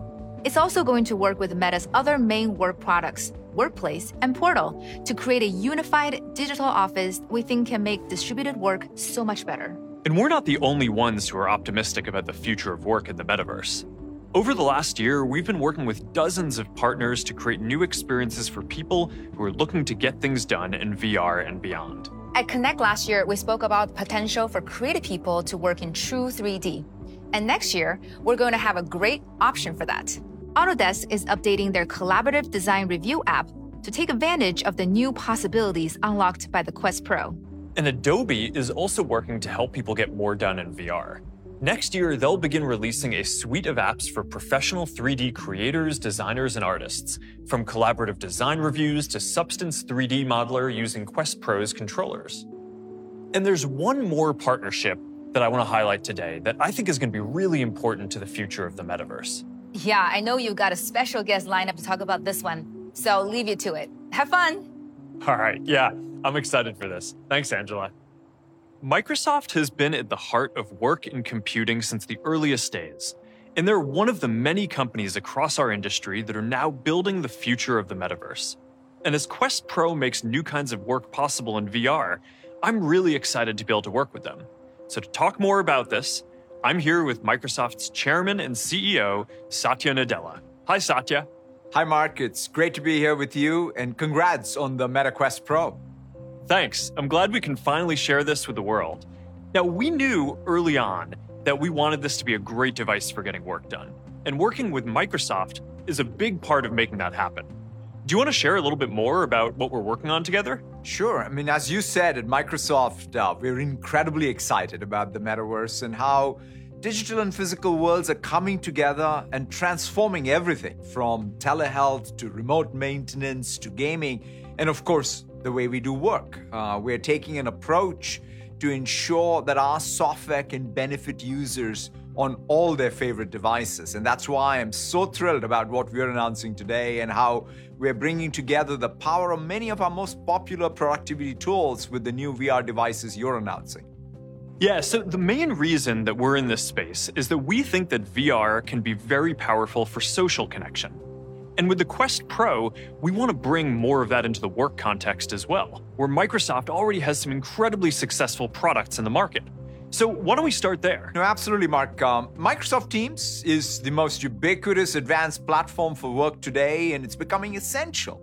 It's also going to work with Meta's other main work products, Workplace and Portal, to create a unified digital office we think can make distributed work so much better. We're not the only ones who are optimistic about the future of work in the metaverse. Over the last year, we've been working with dozens of partners to create new experiences for people who are looking to get things done in VR and beyond. At Connect last year, we spoke about the potential for creative people to work in true 3D, and next year, we're going to have a great option for that. Autodesk is updating their collaborative design review app to take advantage of the new possibilities unlocked by the Quest Pro. Adobe is also working to help people get more done in VR. Next year, they'll begin releasing a suite of apps for professional 3D creators, designers, and artists, from collaborative design reviews to Substance 3D Modeler using Quest Pro's controllers. There's one more partnership that I wanna highlight today that I think is gonna be really important to the future of the metaverse. Yeah. I know you've got a special guest lined up to talk about this one, so I'll leave you to it. Have fun. All right. Yeah. I'm excited for this. Thanks, Angela. Microsoft has been at the heart of work and computing since the earliest days, and they're one of the many companies across our industry that are now building the future of the metaverse. As Quest Pro makes new kinds of work possible in VR, I'm really excited to be able to work with them. To talk more about this, I'm here with Microsoft's Chairman and CEO, Satya Nadella. Hi, Satya. Hi, Mark. It's great to be here with you, and congrats on the Meta Quest Pro. Thanks. I'm glad we can finally share this with the world. Now, we knew early on that we wanted this to be a great device for getting work done, and working with Microsoft is a big part of making that happen. Do you wanna share a little bit more about what we're working on together? Sure. I mean, as you said, at Microsoft, we're incredibly excited about the metaverse and how digital and physical worlds are coming together and transforming everything from telehealth to remote maintenance to gaming, and of course, the way we do work. We're taking an approach to ensure that our software can benefit users on all their favorite devices, and that's why I'm so thrilled about what we're announcing today and how we're bringing together the power of many of our most popular productivity tools with the new VR devices you're announcing. Yeah. The main reason that we're in this space is that we think that VR can be very powerful for social connection. With the Quest Pro, we wanna bring more of that into the work context as well, where Microsoft already has some incredibly successful products in the market. Why don't we start there? No, absolutely, Mark. Microsoft Teams is the most ubiquitous, advanced platform for work today, and it's becoming essential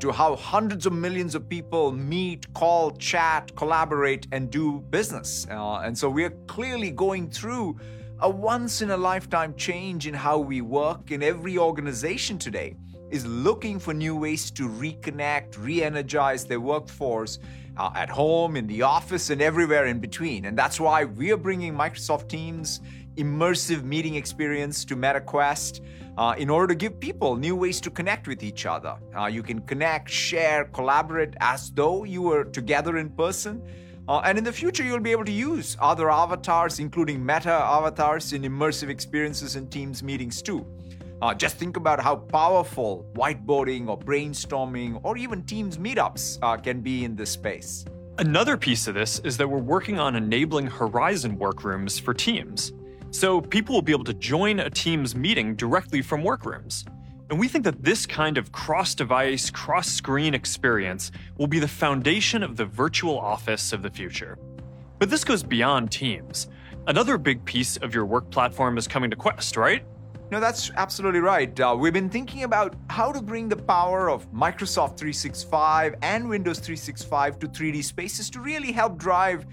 to how hundreds of millions of people meet, call, chat, collaborate, and do business. We're clearly going through a once-in-a-lifetime change in how we work, and every organization today is looking for new ways to reconnect, reenergize their workforce at home, in the office, and everywhere in between. That's why we're bringing Microsoft Teams' immersive meeting experience to Meta Quest in order to give people new ways to connect with each other. You can connect, share, collaborate as though you were together in person, and in the future, you'll be able to use other avatars, including Meta Avatars, in immersive experiences in Teams meetings too. Just think about how powerful whiteboarding or brainstorming or even Teams meetups can be in this space. Another piece of this is that we're working on enabling Horizon Workrooms for Teams, so people will be able to join a Teams meeting directly from Workrooms. We think that this kind of cross-device, cross-screen experience will be the foundation of the virtual office of the future. This goes beyond Teams. Another big piece of your work platform is coming to Quest, right? No, that's absolutely right. We've been thinking about how to bring the power of Microsoft 365 and Windows 365 to 3D spaces to really help drive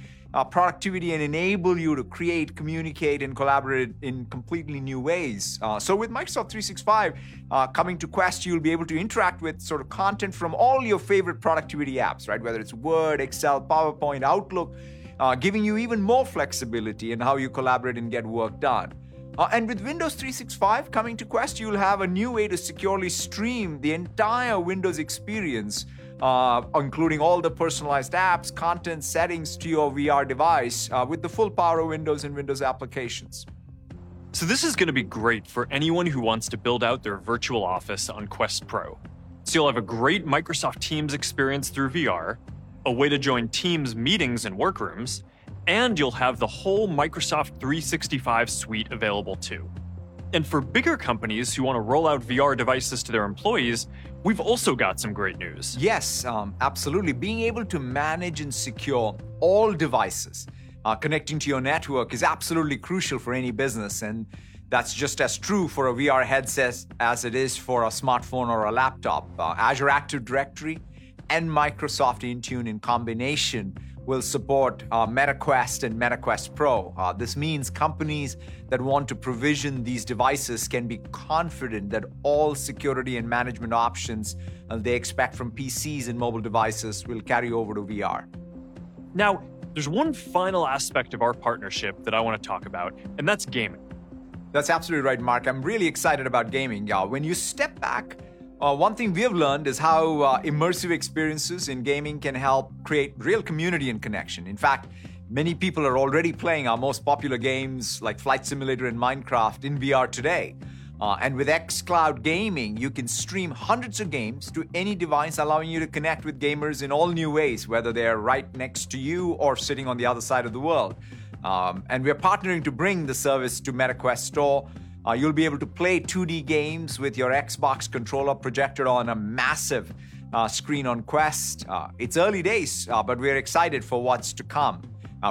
productivity and enable you to create, communicate, and collaborate in completely new ways. With Microsoft 365 coming to Quest, you'll be able to interact with sort of content from all your favorite productivity apps, right, whether it's Word, Excel, PowerPoint, Outlook, giving you even more flexibility in how you collaborate and get work done. With Windows 365 coming to Quest, you'll have a new way to securely stream the entire Windows experience, including all the personalized apps, content, settings to your VR device, with the full power of Windows and Windows applications. This is gonna be great for anyone who wants to build out their virtual office on Quest Pro. You'll have a great Microsoft Teams experience through VR, a way to join Teams meetings and Workrooms, and you'll have the whole Microsoft 365 suite available too. For bigger companies who wanna roll out VR devices to their employees, we've also got some great news. Yes, absolutely. Being able to manage and secure all devices connecting to your network is absolutely crucial for any business, and that's just as true for a VR headset as it is for a smartphone or a laptop. Azure Active Directory and Microsoft Intune in combination will support Meta Quest and Meta Quest Pro. This means companies that want to provision these devices can be confident that all security and management options they expect from PCs and mobile devices will carry over to VR. Now, there's one final aspect of our partnership that I wanna talk about, and that's gaming. That's absolutely right, Mark. I'm really excited about gaming. When you step back, one thing we have learned is how immersive experiences in gaming can help create real community and connection. In fact, many people are already playing our most popular games, like Microsoft Flight Simulator and Minecraft in VR today. With Xbox Cloud Gaming, you can stream hundreds of games to any device, allowing you to connect with gamers in all-new ways, whether they're right next to you or sitting on the other side of the world. We're partnering to bring the service to Meta Quest Store. You'll be able to play 2D games with your Xbox controller projected on a massive screen on Quest. It's early days, but we're excited for what's to come.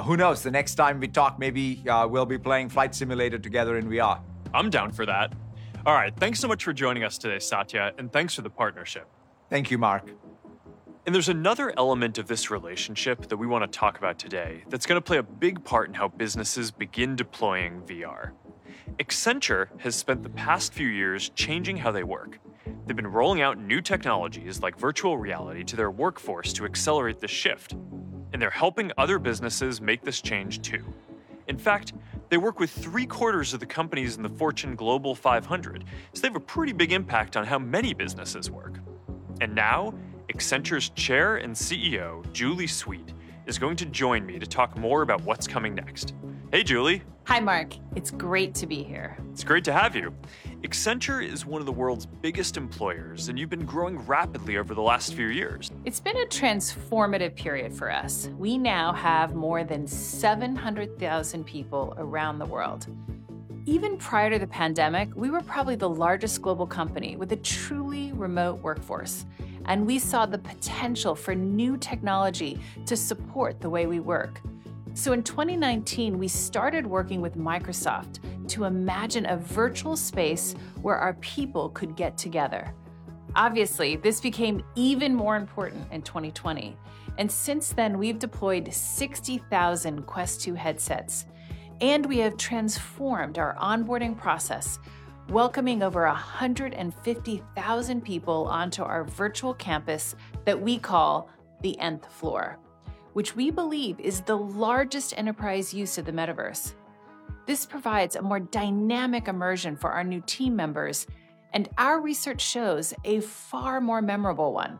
Who knows, the next time we talk, maybe we'll be playing Flight Simulator together in VR. I'm down for that. All right. Thanks so much for joining us today, Satya, and thanks for the partnership. Thank you, Mark. There's another element of this relationship that we wanna talk about today that's gonna play a big part in how businesses begin deploying VR. Accenture has spent the past few years changing how they work. They've been rolling out new technologies, like virtual reality, to their workforce to accelerate the shift, and they're helping other businesses make this change too. In fact, they work with three-quarters of the companies in the Fortune Global 500, so they have a pretty big impact on how many businesses work. Now, Accenture's Chair and CEO, Julie Sweet, is going to join me to talk more about what's coming next. Hey, Julie. Hi, Mark. It's great to be here. It's great to have you. Accenture is one of the world's biggest employers, and you've been growing rapidly over the last few years. It's been a transformative period for us. We now have more than 700,000 people around the world. Even prior to the pandemic, we were probably the largest global company with a truly remote workforce, and we saw the potential for new technology to support the way we work. In 2019, we started working with Microsoft to imagine a virtual space where our people could get together. Obviously, this became even more important in 2020, and since then, we've deployed 60,000 Quest 2 headsets, and we have transformed our onboarding process, welcoming over 150,000 people onto our virtual campus that we call the Nth Floor, which we believe is the largest enterprise use of the metaverse. This provides a more dynamic immersion for our new team members, and our research shows a far more memorable one.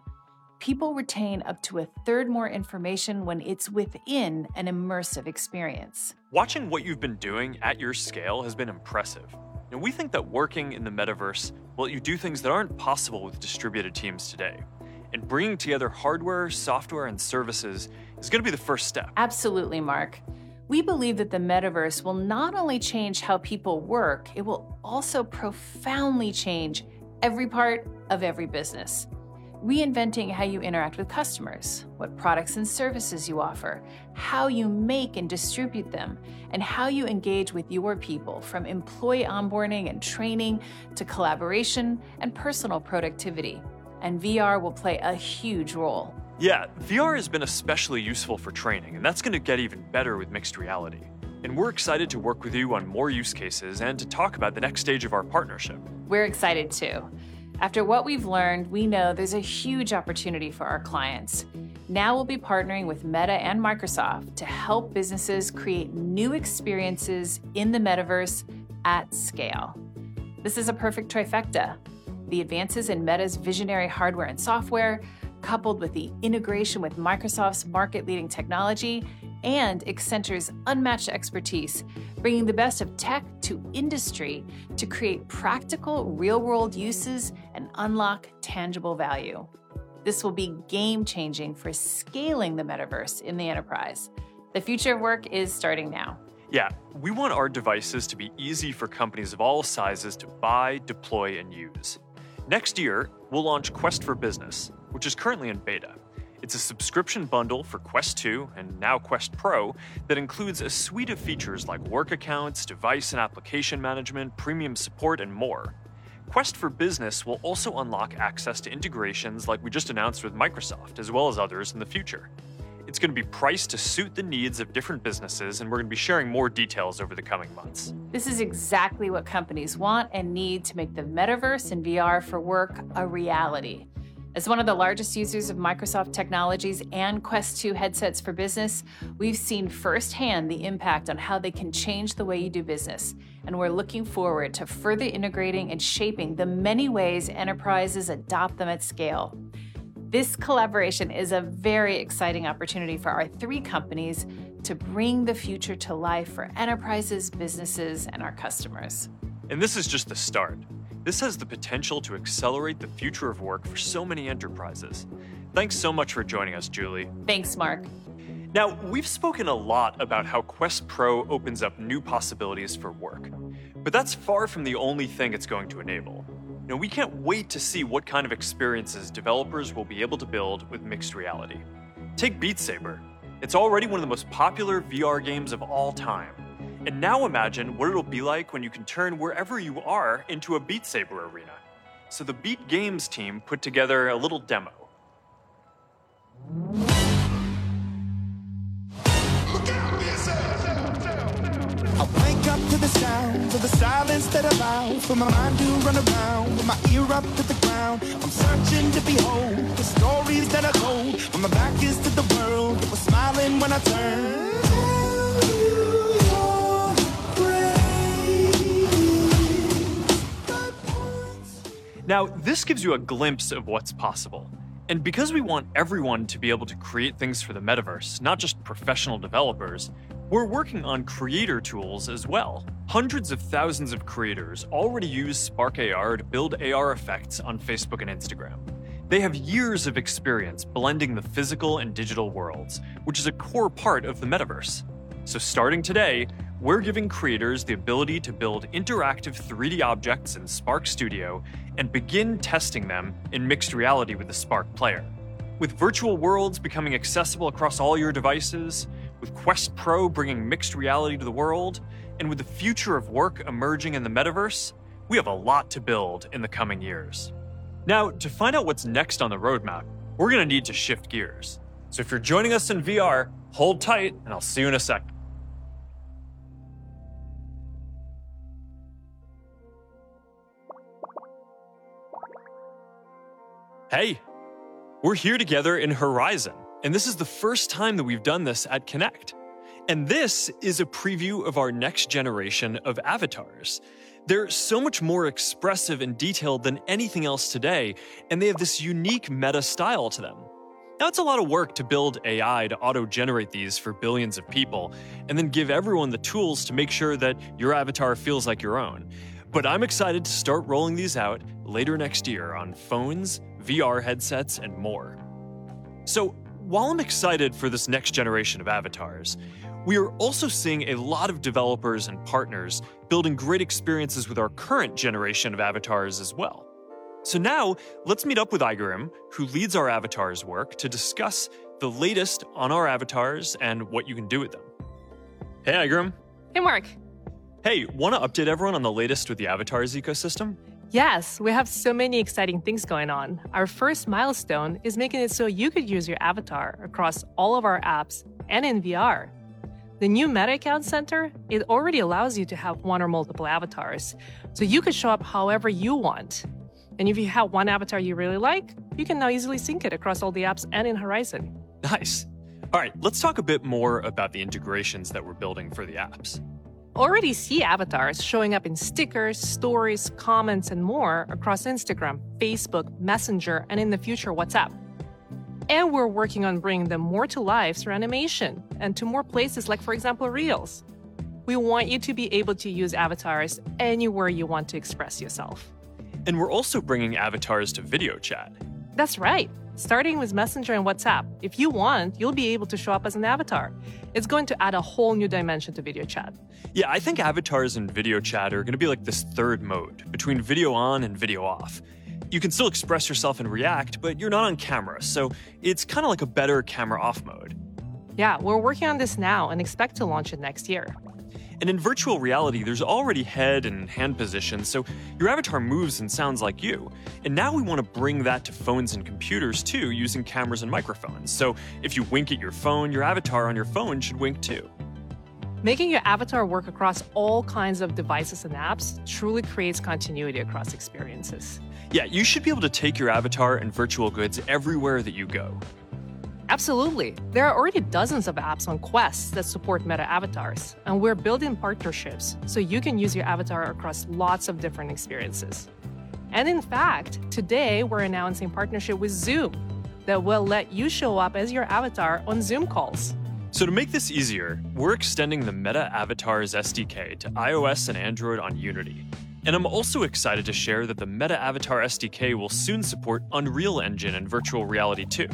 People retain up to a third more information when it's within an immersive experience. Watching what you've been doing at your scale has been impressive. Now, we think that working in the metaverse will let you do things that aren't possible with distributed teams today, and bringing together hardware, software, and services is gonna be the first step. Absolutely, Mark. We believe that the metaverse will not only change how people work, it will also profoundly change every part of every business, reinventing how you interact with customers, what products and services you offer, how you make and distribute them, and how you engage with your people, from employee onboarding and training to collaboration and personal productivity, and VR will play a huge role. Yeah. VR has been especially useful for training, and that's gonna get even better with mixed reality, and we're excited to work with you on more use cases and to talk about the next stage of our partnership. We're excited too. After what we've learned, we know there's a huge opportunity for our clients. Now we'll be partnering with Meta and Microsoft to help businesses create new experiences in the metaverse at scale. This is a perfect trifecta. The advances in Meta's visionary hardware and software, coupled with the integration with Microsoft's market-leading technology and Accenture's unmatched expertise, bringing the best of tech to industry to create practical real-world uses and unlock tangible value. This will be game-changing for scaling the metaverse in the enterprise. The future of work is starting now. Yeah. We want our devices to be easy for companies of all sizes to buy, deploy, and use. Next year, we'll launch Quest for Business, which is currently in beta. It's a subscription bundle for Quest 2, and now Quest Pro, that includes a suite of features like work accounts, device and application management, premium support, and more. Quest for Business will also unlock access to integrations like we just announced with Microsoft, as well as others in the future. It's gonna be priced to suit the needs of different businesses, and we're gonna be sharing more details over the coming months. This is exactly what companies want and need to make the metaverse and VR for work a reality. As one of the largest users of Microsoft technologies and Quest 2 headsets for business, we've seen firsthand the impact on how they can change the way you do business, and we're looking forward to further integrating and shaping the many ways enterprises adopt them at scale. This collaboration is a very exciting opportunity for our three companies to bring the future to life for enterprises, businesses, and our customers. This is just the start. This has the potential to accelerate the future of work for so many enterprises. Thanks so much for joining us, Julie. Thanks, Mark. Now, we've spoken a lot about how Quest Pro opens up new possibilities for work, but that's far from the only thing it's going to enable. Now, we can't wait to see what kind of experiences developers will be able to build with mixed reality. Take Beat Saber. It's already one of the most popular VR games of all time, and now imagine what it'll be like when you can turn wherever you are into a Beat Saber arena. The Beat Games team put together a little demo. Look out for yourself. I wake up to the sound of the silence that allowed. For my mind to run around. With my ear up to the ground. I'm searching to behold. The stories that are told. When my back is to the world. I'm smiling when I turn. Tell you you're brave. Now, this gives you a glimpse of what's possible. Because we want everyone to be able to create things for the metaverse, not just professional developers, we're working on creator tools as well. Hundreds of thousands of creators already use Spark AR to build AR effects on Facebook and Instagram. They have years of experience blending the physical and digital worlds, which is a core part of the metaverse. Starting today, we're giving creators the ability to build interactive 3D objects in Spark Studio and begin testing them in mixed reality with the Spark Player. With virtual worlds becoming accessible across all your devices, with Quest Pro bringing mixed reality to the world, and with the future of work emerging in the metaverse, we have a lot to build in the coming years. Now, to find out what's next on the roadmap, we're gonna need to shift gears. If you're joining us in VR, hold tight, and I'll see you in a sec. Hey. We're here together in Horizon, and this is the first time that we've done this at Connect. This is a preview of our next generation of avatars. They're so much more expressive and detailed than anything else today, and they have this unique Meta style to them. Now, it's a lot of work to build AI to auto-generate these for billions of people and then give everyone the tools to make sure that your avatar feels like your own. I'm excited to start rolling these out later next year on phones, VR headsets, and more. While I'm excited for this next generation of avatars, we are also seeing a lot of developers and partners building great experiences with our current generation of avatars as well. Now, let's meet up with Aigerim, who leads our avatars work, to discuss the latest on our avatars and what you can do with them. Hey, Aigerim. Hey, Mark. Hey. Wanna update everyone on the latest with the Avatars ecosystem? Yes. We have so many exciting things going on. Our first milestone is making it so you could use your avatar across all of our apps and in VR. The new Meta Accounts Center, it already allows you to have one or multiple avatars, so you could show up however you want. If you have one avatar you really like, you can now easily sync it across all the apps and in Horizon. Nice. All right. Let's talk a bit more about the integrations that we're building for the apps. Already see avatars showing up in stickers, stories, comments, and more across Instagram, Facebook, Messenger, and in the future, WhatsApp. We're working on bringing them more to life through animation and to more places like, for example, Reels. We want you to be able to use avatars anywhere you want to express yourself. We're also bringing avatars to video chat. That's right, starting with Messenger and WhatsApp. If you want, you'll be able to show up as an avatar. It's going to add a whole new dimension to video chat. Yeah. I think avatars in video chat are gonna be like this third mode between video on and video off. You can still express yourself and react, but you're not on camera, so it's kinda like a better camera-off mode. Yeah. We're working on this now and expect to launch it next year. In virtual reality, there's already head and hand positions, so your avatar moves and sounds like you, and now we wanna bring that to phones and computers too using cameras and microphones. If you wink at your phone, your avatar on your phone should wink too. Making your avatar work across all kinds of devices and apps truly creates continuity across experiences. Yeah. You should be able to take your avatar and virtual goods everywhere that you go. Absolutely. There are already dozens of apps on Quest that support Meta Avatars, and we're building partnerships so you can use your avatar across lots of different experiences. In fact, today we're announcing partnership with Zoom that will let you show up as your avatar on Zoom calls. To make this easier, we're extending the Meta Avatars SDK to iOS and Android on Unity. I'm also excited to share that the Meta Avatars SDK will soon support Unreal Engine and virtual reality too.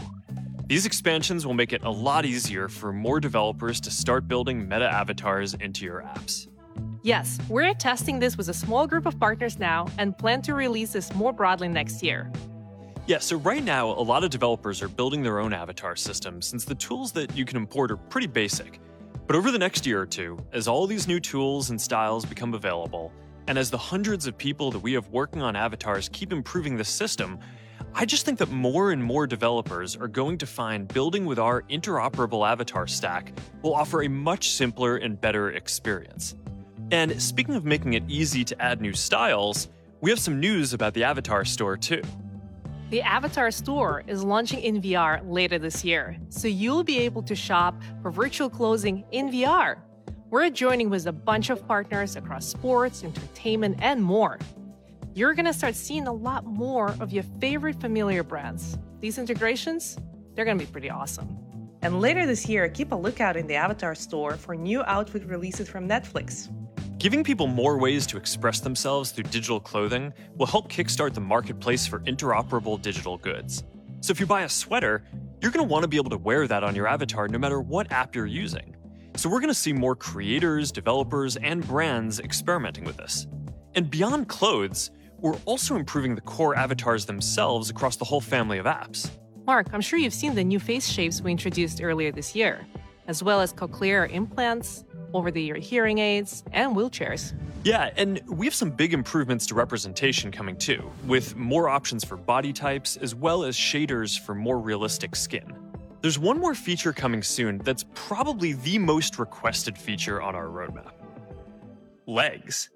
These expansions will make it a lot easier for more developers to start building Meta Avatars into your apps. Yes. We're testing this with a small group of partners now, and plan to release this more broadly next year. Yeah. Right now, a lot of developers are building their own avatar system, since the tools that you can import are pretty basic. Over the next year or two, as all these new tools and styles become available, and as the hundreds of people that we have working on avatars keep improving the system, I just think that more and more developers are going to find building with our interoperable avatar stack will offer a much simpler and better experience. Speaking of making it easy to add new styles, we have some news about the Avatar Store too. The Avatar Store is launching in VR later this year, so you'll be able to shop for virtual clothing in VR. We're joining with a bunch of partners across sports, entertainment, and more. You're gonna start seeing a lot more of your favorite familiar brands. These integrations, they're gonna be pretty awesome. Later this year, keep a lookout in the Avatar Store for new outfit releases from Netflix. Giving people more ways to express themselves through digital clothing will help kickstart the marketplace for interoperable digital goods. If you buy a sweater, you're gonna wanna be able to wear that on your avatar, no matter what app you're using. We're gonna see more creators, developers, and brands experimenting with this. Beyond clothes, we're also improving the core avatars themselves across the whole family of apps. Mark, I'm sure you've seen the new face shapes we introduced earlier this year, as well as cochlear implants, over-the-ear hearing aids, and wheelchairs. Yeah. We have some big improvements to representation coming too, with more options for body types, as well as shaders for more realistic skin. There's one more feature coming soon that's probably the most requested feature on our roadmap, legs.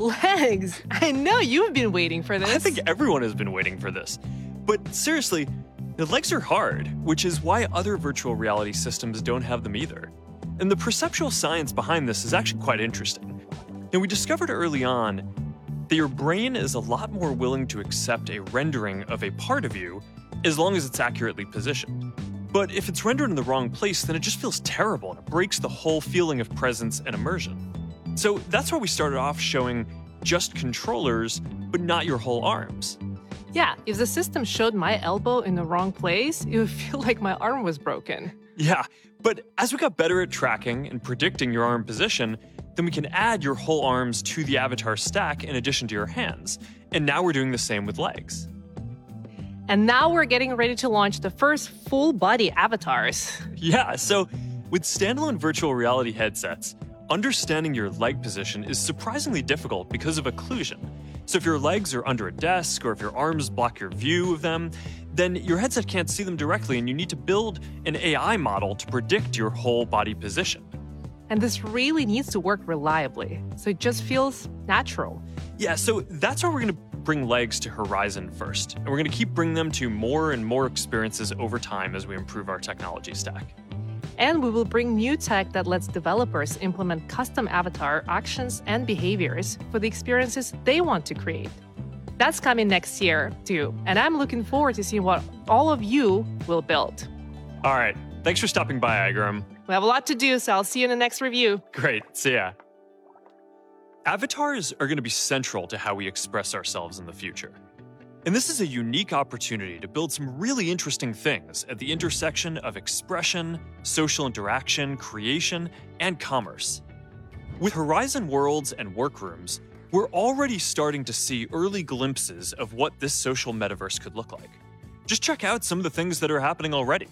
Legs. I know you have been waiting for this. I think everyone has been waiting for this. Seriously, the legs are hard, which is why other virtual reality systems don't have them either, and the perceptual science behind this is actually quite interesting. We discovered early on that your brain is a lot more willing to accept a rendering of a part of you, as long as it's accurately positioned. If it's rendered in the wrong place, then it just feels terrible, and it breaks the whole feeling of presence and immersion. That's why we started off showing just controllers, but not your whole arms. Yeah. If the system showed my elbow in the wrong place, it would feel like my arm was broken. Yeah. As we got better at tracking and predicting your arm position, then we can add your whole arms to the avatar stack in addition to your hands, and now we're doing the same with legs. Now we're getting ready to launch the first full-body avatars. Yeah. With standalone virtual reality headsets, understanding your leg position is surprisingly difficult because of occlusion. If your legs are under a desk, or if your arms block your view of them, then your headset can't see them directly, and you need to build an AI model to predict your whole body position. This really needs to work reliably so it just feels natural. Yeah. That's why we're gonna bring legs to Horizon first, and we're gonna keep bringing them to more and more experiences over time as we improve our technology stack. We will bring new tech that lets developers implement custom avatar actions and behaviors for the experiences they want to create. That's coming next year too, and I'm looking forward to seeing what all of you will build. All right. Thanks for stopping by, Aigerim. We have a lot to do, so I'll see you in the next review. Great. See ya. Avatars are gonna be central to how we express ourselves in the future, and this is a unique opportunity to build some really interesting things at the intersection of expression, social interaction, creation, and commerce. With Horizon Worlds and Workrooms, we're already starting to see early glimpses of what this social metaverse could look like. Just check out some of the things that are happening already.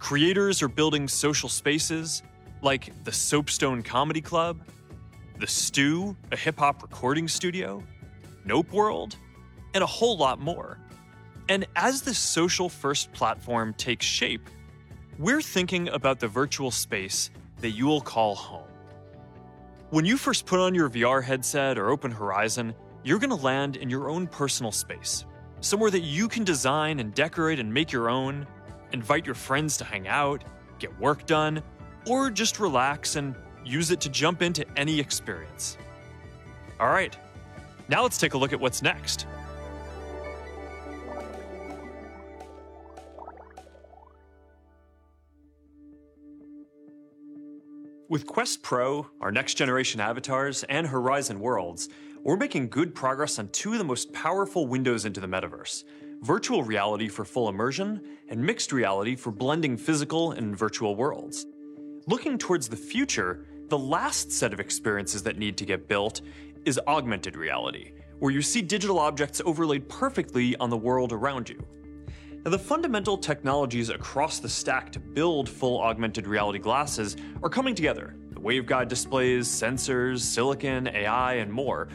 Creators are building social spaces like the Soapstone Comedy Club, The Stu, a hip hop recording studio, Nope World, and a whole lot more. As this social-first platform takes shape, we're thinking about the virtual space that you will call home. When you first put on your VR headset or open Horizon, you're gonna land in your own personal space, somewhere that you can design and decorate and make your own, invite your friends to hang out, get work done, or just relax and use it to jump into any experience. All right. Now let's take a look at what's next. With Quest Pro, our next generation avatars, and Horizon Worlds, we're making good progress on two of the most powerful windows into the metaverse, virtual reality for full immersion, and mixed reality for blending physical and virtual worlds. Looking towards the future, the last set of experiences that need to get built is augmented reality, where you see digital objects overlaid perfectly on the world around you. Now, the fundamental technologies across the stack to build full augmented reality glasses are coming together, the waveguide displays, sensors, silicon, AI, and more.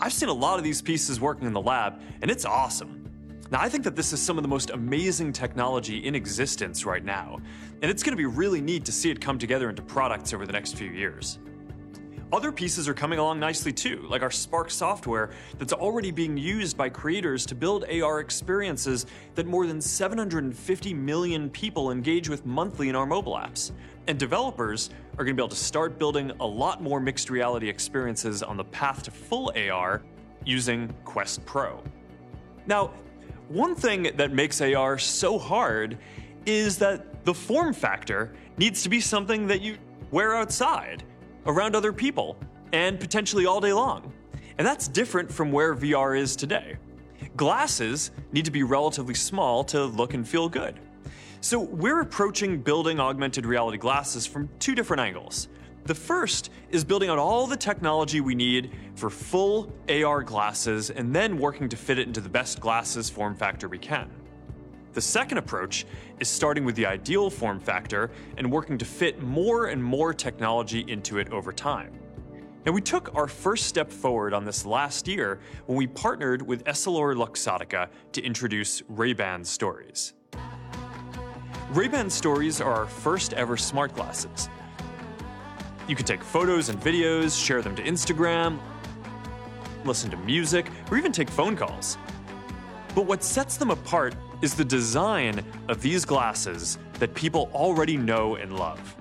I've seen a lot of these pieces working in the lab, and it's awesome. Now, I think that this is some of the most amazing technology in existence right now, and it's gonna be really neat to see it come together into products over the next few years. Other pieces are coming along nicely too, like our Spark software that's already being used by creators to build AR experiences that more than 750 million people engage with monthly in our mobile apps. Developers are gonna be able to start building a lot more mixed reality experiences on the path to full AR using Quest Pro. Now, one thing that makes AR so hard is that the form factor needs to be something that you wear outside around other people, and potentially all day long, and that's different from where VR is today. Glasses need to be relatively small to look and feel good. We're approaching building augmented reality glasses from two different angles. The first is building out all the technology we need for full AR glasses, and then working to fit it into the best glasses form factor we can. The second approach is starting with the ideal form factor and working to fit more and more technology into it over time. Now, we took our first step forward on this last year when we partnered with EssilorLuxottica to introduce Ray-Ban Stories. Ray-Ban Stories are our first-ever smart glasses. You can take photos and videos, share them to Instagram, listen to music, or even take phone calls. But what sets them apart is the design of these glasses that people already know and love.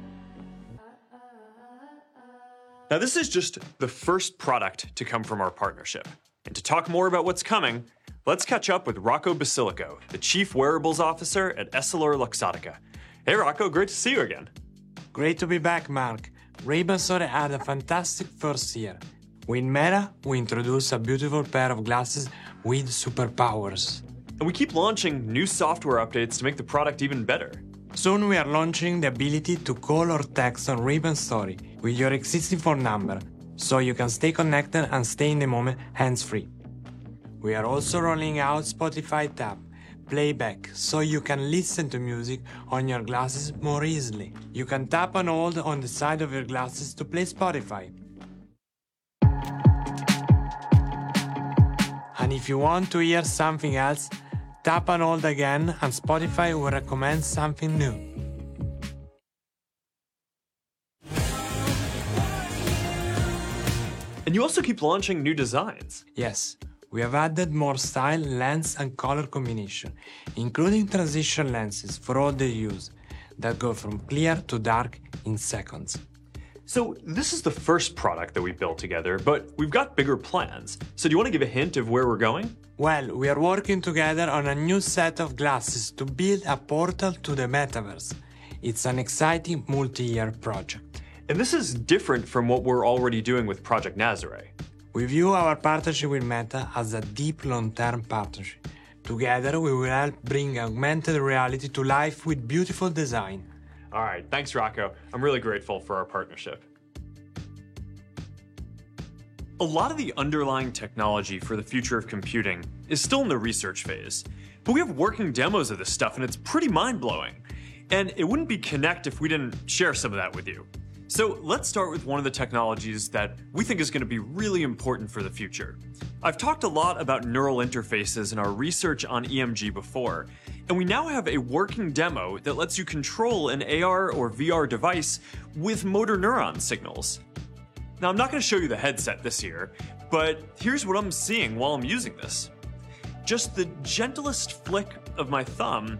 Now, this is just the first product to come from our partnership, and to talk more about what's coming, let's catch up with Rocco Basilico, the Chief Wearables Officer at EssilorLuxottica. Hey, Rocco. Great to see you again. Great to be back, Mark. Ray-Ban Stories had a fantastic first year. With Meta, we introduced a beautiful pair of glasses with superpowers. We keep launching new software updates to make the product even better. Soon, we are launching the ability to call or text on Ray-Ban Stories with your existing phone number so you can stay connected and stay in the moment hands-free. We are also rolling out Spotify Tap playback so you can listen to music on your glasses more easily. You can tap and hold on the side of your glasses to play Spotify. If you want to hear something else, tap and hold again, and Spotify will recommend something new. You also keep launching new designs. Yes. We have added more style, lens, and color combination, including transition lenses for all the users that go from clear to dark in seconds. This is the first product that we've built together, but we've got bigger plans. Do you wanna give a hint of where we're going? Well, we are working together on a new set of glasses to build a portal to the metaverse. It's an exciting multi-year project. This is different from what we're already doing with Project Nazare. We view our partnership with Meta as a deep long-term partnership. Together, we will help bring augmented reality to life with beautiful design. All right. Thanks, Rocco. I'm really grateful for our partnership. A lot of the underlying technology for the future of computing is still in the research phase, but we have working demos of this stuff, and it's pretty mind-blowing. It wouldn't be Connect if we didn't share some of that with you. Let's start with one of the technologies that we think is gonna be really important for the future. I've talked a lot about neural interfaces and our research on EMG before, and we now have a working demo that lets you control an AR or VR device with motor neuron signals. Now, I'm not gonna show you the headset this year, but here's what I'm seeing while I'm using this. Just the gentlest flick of my thumb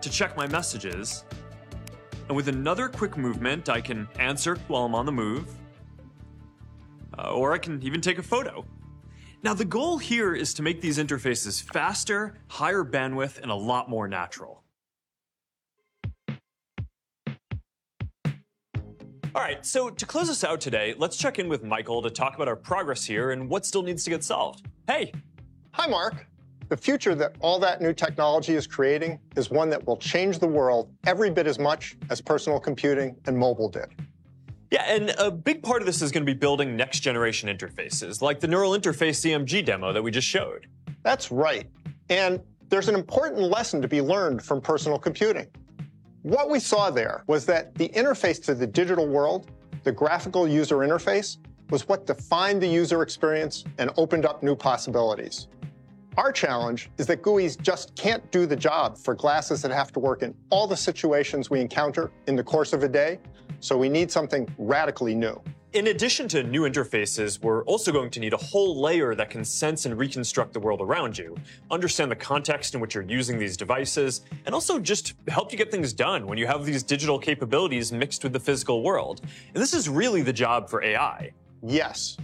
to check my messages, and with another quick movement, I can answer while I'm on the move, or I can even take a photo. Now, the goal here is to make these interfaces faster, higher bandwidth, and a lot more natural. All right. To close us out today, let's check in with Michael to talk about our progress here and what still needs to get solved. Hey. Hi, Mark. The future that all that new technology is creating is one that will change the world every bit as much as personal computing and mobile did. Yeah, a big part of this is gonna be building next-generation interfaces, like the neural interface EMG demo that we just showed. That's right, and there's an important lesson to be learned from personal computing. What we saw there was that the interface to the digital world, the graphical user interface, was what defined the user experience and opened up new possibilities. Our challenge is that GUIs just can't do the job for glasses that have to work in all the situations we encounter in the course of a day, so we need something radically new. In addition to new interfaces, we're also going to need a whole layer that can sense and reconstruct the world around you, understand the context in which you're using these devices, and also just help you get things done when you have these digital capabilities mixed with the physical world, and this is really the job for AI. Yes.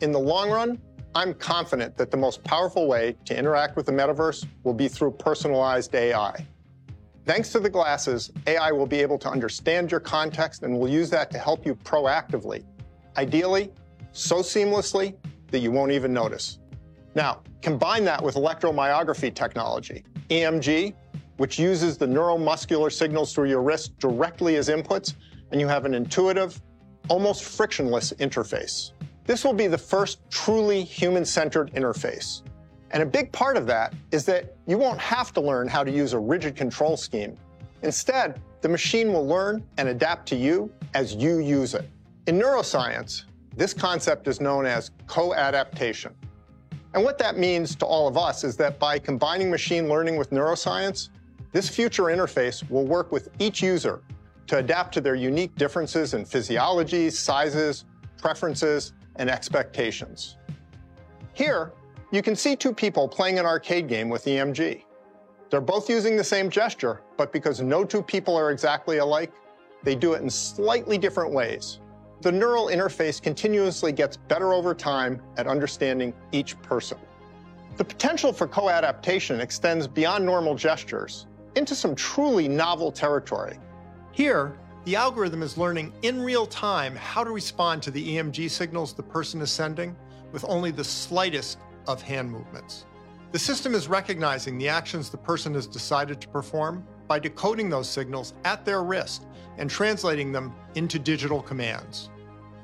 In the long run, I'm confident that the most powerful way to interact with the metaverse will be through personalized AI. Thanks to the glasses, AI will be able to understand your context and will use that to help you proactively, ideally so seamlessly that you won't even notice. Now, combine that with electromyography technology, EMG, which uses the neuromuscular signals through your wrist directly as inputs, and you have an intuitive, almost frictionless interface. This will be the first truly human-centered interface, and a big part of that is that you won't have to learn how to use a rigid control scheme. Instead, the machine will learn and adapt to you as you use it. In neuroscience, this concept is known as co-adaptation, and what that means to all of us is that by combining machine learning with neuroscience, this future interface will work with each user to adapt to their unique differences in physiology, sizes, preferences, and expectations. Here, you can see two people playing an arcade game with EMG. They're both using the same gesture, but because no two people are exactly alike, they do it in slightly different ways. The neural interface continuously gets better over time at understanding each person. The potential for co-adaptation extends beyond normal gestures into some truly novel territory. Here, the algorithm is learning in real time how to respond to the EMG signals the person is sending with only the slightest of hand movements. The system is recognizing the actions the person has decided to perform by decoding those signals at their wrist and translating them into digital commands.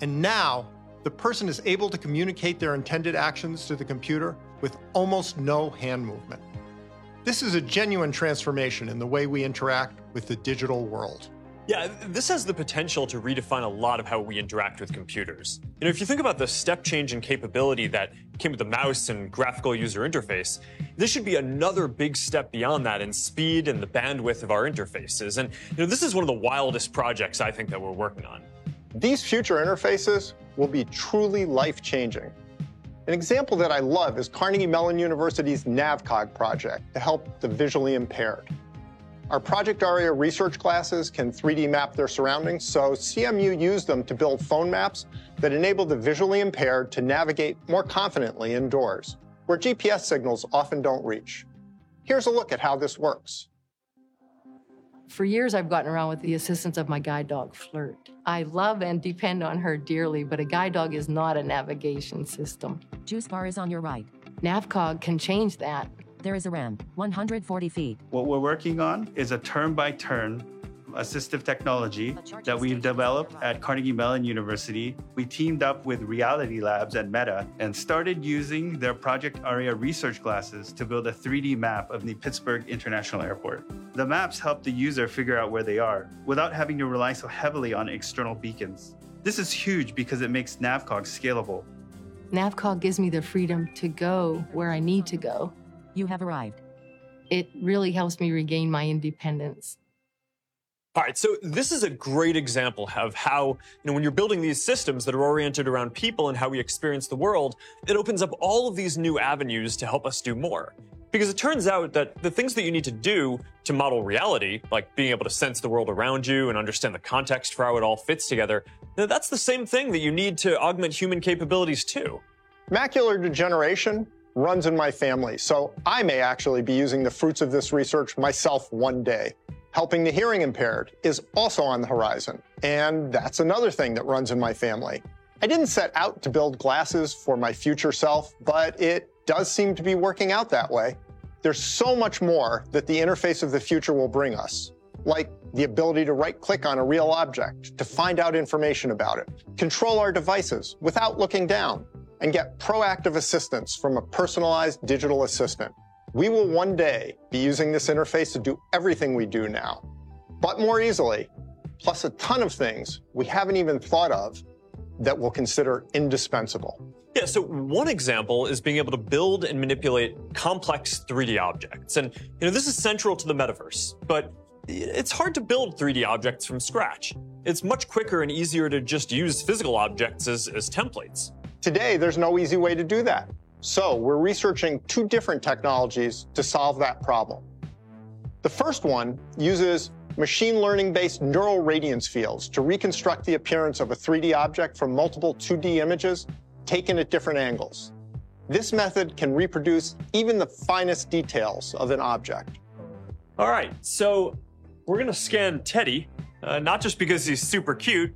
Now the person is able to communicate their intended actions to the computer with almost no hand movement. This is a genuine transformation in the way we interact with the digital world. Yeah, this has the potential to redefine a lot of how we interact with computers. If you think about the step change in capability that came with the mouse and graphical user interface, this should be another big step beyond that in speed and the bandwidth of our interfaces. You know, this is one of the wildest projects I think that we're working on. These future interfaces will be truly life-changing. An example that I love is Carnegie Mellon University's NavCog project to help the visually impaired. Our Project Aria research glasses can 3D map their surroundings, so CMU used them to build phone maps that enable the visually impaired to navigate more confidently indoors where GPS signals often don't reach. Here's a look at how this works. For years, I've gotten around with the assistance of my guide dog, Flirt. I love and depend on her dearly, but a guide dog is not a navigation system. Juice bar is on your right. NavCog can change that. There is a ramp, 140 feet. What we're working on is a turn-by-turn assistive technology. A charging station on the right. that we've developed at Carnegie Mellon University. We teamed up with Reality Labs and Meta and started using their Project Aria research glasses to build a 3D map of the Pittsburgh International Airport. The maps help the user figure out where they are without having to rely so heavily on external beacons. This is huge because it makes NavCog scalable. NavCog gives me the freedom to go where I need to go. You have arrived. It really helps me regain my independence. All right, this is a great example of how, you know, when you're building these systems that are oriented around people and how we experience the world, it opens up all of these new avenues to help us do more. It turns out that the things that you need to do to model reality, like being able to sense the world around you and understand the context for how it all fits together, you know, that's the same thing that you need to augment human capabilities too. Macular degeneration runs in my family, so I may actually be using the fruits of this research myself one day. Helping the hearing impaired is also on the horizon, and that's another thing that runs in my family. I didn't set out to build glasses for my future self, but it does seem to be working out that way. There's so much more that the interface of the future will bring us, like the ability to right-click on a real object to find out information about it, control our devices without looking down, and get proactive assistance from a personalized digital assistant. We will one day be using this interface to do everything we do now, but more easily, plus a ton of things we haven't even thought of that we'll consider indispensable. Yeah, one example is being able to build and manipulate complex 3D objects. You know, this is central to the metaverse, but it's hard to build 3D objects from scratch. It's much quicker and easier to just use physical objects as templates. Today, there's no easy way to do that, so we're researching two different technologies to solve that problem. The first one uses machine learning-based neural radiance fields to reconstruct the appearance of a 3D object from multiple 2D images taken at different angles. This method can reproduce even the finest details of an object. All right, we're gonna scan Teddy, not just because he's super cute,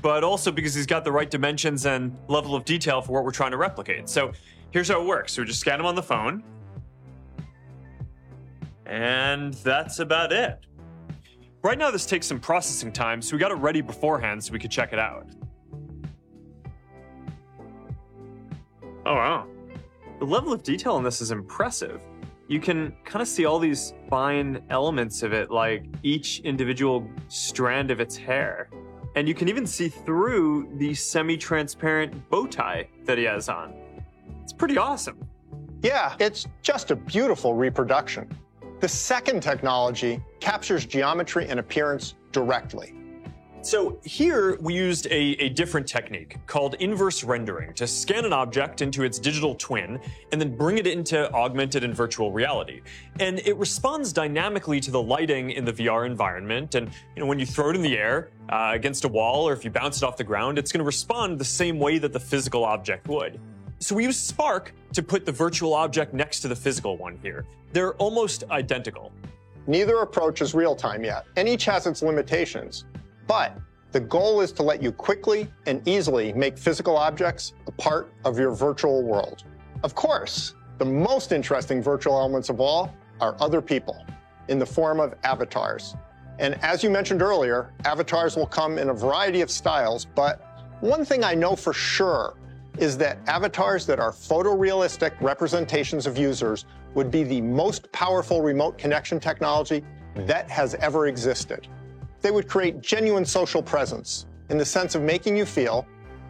but also because he's got the right dimensions and level of detail for what we're trying to replicate. Here's how it works. We just scan him on the phone, and that's about it. Right now, this takes some processing time, so we got it ready beforehand so we could check it out. Oh, wow. The level of detail on this is impressive. You can kind of see all these fine elements of it, like each individual strand of its hair, and you can even see through the semi-transparent bow tie that he has on. It's pretty awesome. Yeah. It's just a beautiful reproduction. The second technology captures geometry and appearance directly. Here we used a different technique called inverse rendering to scan an object into its digital twin and then bring it into augmented and virtual reality. It responds dynamically to the lighting in the VR environment. You know, when you throw it in the air, against a wall, or if you bounce it off the ground, it's gonna respond the same way that the physical object would. We used Spark to put the virtual object next to the physical one here. They're almost identical. Neither approach is real time yet, and each has its limitations, but the goal is to let you quickly and easily make physical objects a part of your virtual world. Of course, the most interesting virtual elements of all are other people in the form of avatars. As you mentioned earlier, avatars will come in a variety of styles, but one thing I know for sure is that avatars that are photorealistic representations of users would be the most powerful remote connection technology that has ever existed. They would create genuine social presence in the sense of making you feel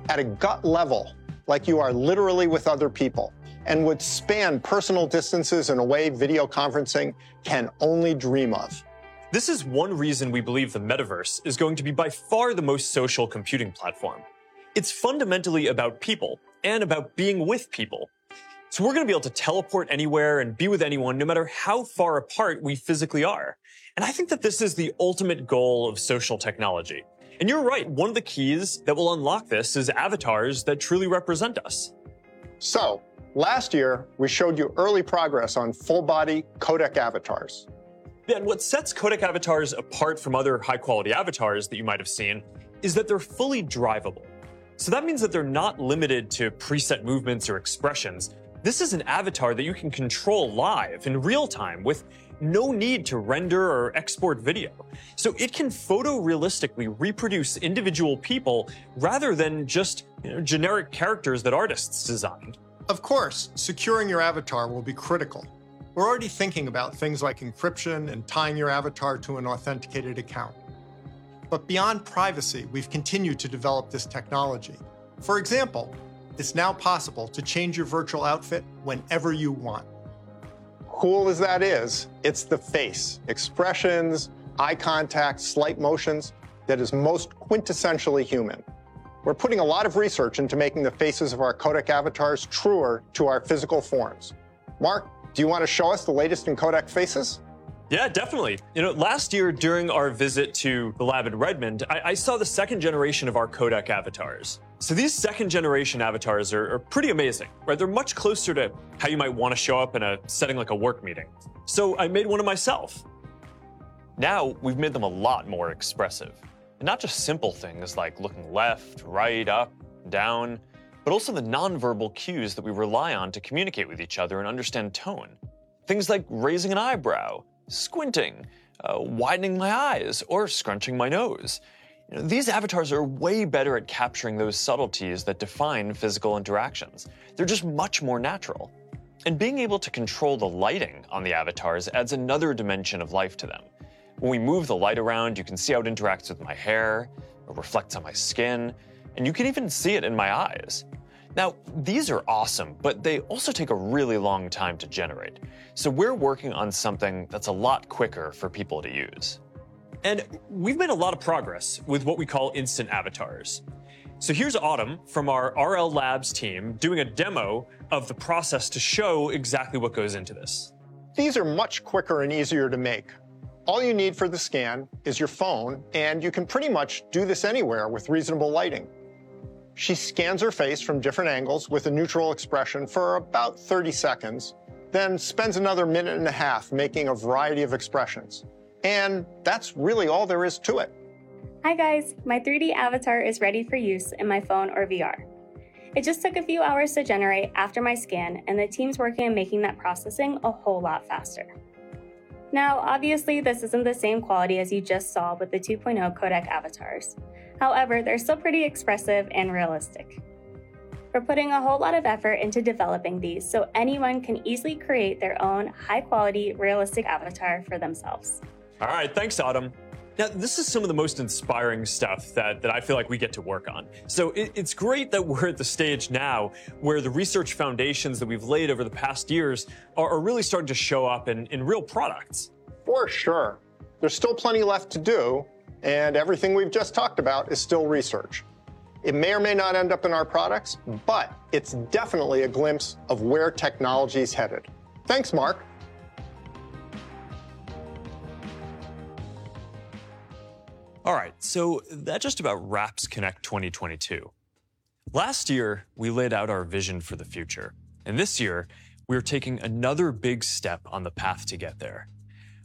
at a gut level like you are literally with other people and would span personal distances in a way video conferencing can only dream of. This is one reason we believe the metaverse is going to be by far the most social computing platform. It's fundamentally about people and about being with people. We're gonna be able to teleport anywhere and be with anyone, no matter how far apart we physically are, and I think that this is the ultimate goal of social technology. You're right, one of the keys that will unlock this is avatars that truly represent us. Last year we showed you early progress on full-body Codec Avatars. Yeah, what sets Codec Avatars apart from other high-quality avatars that you might have seen is that they're fully drivable. That means that they're not limited to preset movements or expressions. This is an avatar that you can control live in real time with no need to render or export video. It can photo-realistically reproduce individual people rather than just, you know, generic characters that artists designed. Of course, securing your avatar will be critical. We're already thinking about things like encryption and tying your avatar to an authenticated account. Beyond privacy, we've continued to develop this technology. For example, it's now possible to change your virtual outfit whenever you want. Cool as that is, it's the face, expressions, eye contact, slight motions that is most quintessentially human. We're putting a lot of research into making the faces of our Codec Avatars truer to our physical forms. Mark, do you wanna show us the latest in Codec faces? Yeah, definitely. You know, last year during our visit to the lab in Redmond, I saw the second generation of our Codec Avatars. These second generation avatars are pretty amazing. Right? They're much closer to how you might wanna show up in a setting like a work meeting. I made one of myself. Now, we've made them a lot more expressive, and not just simple things like looking left, right, up, down, but also the non-verbal cues that we rely on to communicate with each other and understand tone, things like raising an eyebrow, squinting, widening my eyes, or scrunching my nose. You know, these avatars are way better at capturing those subtleties that define physical interactions. They're just much more natural. Being able to control the lighting on the avatars adds another dimension of life to them. When we move the light around, you can see how it interacts with my hair, it reflects on my skin, and you can even see it in my eyes. Now, these are awesome, but they also take a really long time to generate, so we're working on something that's a lot quicker for people to use. We've made a lot of progress with what we call Instant Avatars. Here's Autumn from our Reality Labs team doing a demo of the process to show exactly what goes into this. These are much quicker and easier to make. All you need for the scan is your phone, and you can pretty much do this anywhere with reasonable lighting. She scans her face from different angles with a neutral expression for about 30 seconds, then spends another 1.5 minutes making a variety of expressions, and that's really all there is to it. Hi, guys. My 3D avatar is ready for use in my phone or VR. It just took a few hours to generate after my scan, and the team's working on making that processing a whole lot faster. Now, obviously, this isn't the same quality as you just saw with the 2.0 Codec Avatars. However, they're still pretty expressive and realistic. We're putting a whole lot of effort into developing these so anyone can easily create their own high-quality, realistic avatar for themselves. All right. Thanks, Autumn. Now, this is some of the most inspiring stuff that I feel like we get to work on, so it's great that we're at the stage now where the research foundations that we've laid over the past years are really starting to show up in real products. For sure. There's still plenty left to do, and everything we've just talked about is still research. It may or may not end up in our products, but it's definitely a glimpse of where technology's headed. Thanks, Mark. All right. That just about wraps Connect 2022. Last year, we laid out our vision for the future, and this year, we're taking another big step on the path to get there.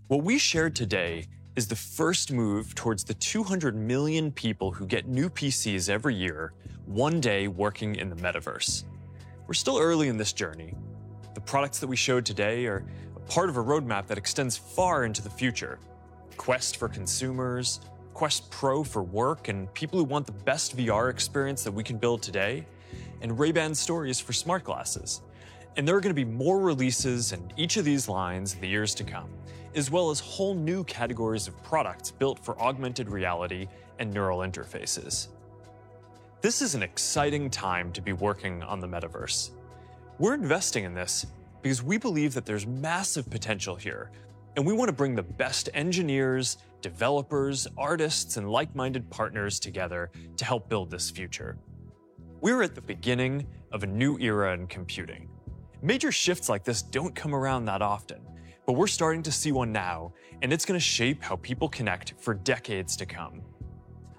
What we shared today is the first move towards the 200 million people who get new PCs every year one day working in the metaverse. We're still early in this journey. The products that we showed today are a part of a roadmap that extends far into the future. Quest for consumers, Quest Pro for work and people who want the best VR experience that we can build today, and Ray-Ban Stories for smart glasses. There are gonna be more releases in each of these lines in the years to come, as well as whole new categories of products built for augmented reality and neural interfaces. This is an exciting time to be working on the metaverse. We're investing in this because we believe that there's massive potential here, and we wanna bring the best engineers, developers, artists, and like-minded partners together to help build this future. We're at the beginning of a new era in computing. Major shifts like this don't come around that often, but we're starting to see one now, and it's gonna shape how people connect for decades to come.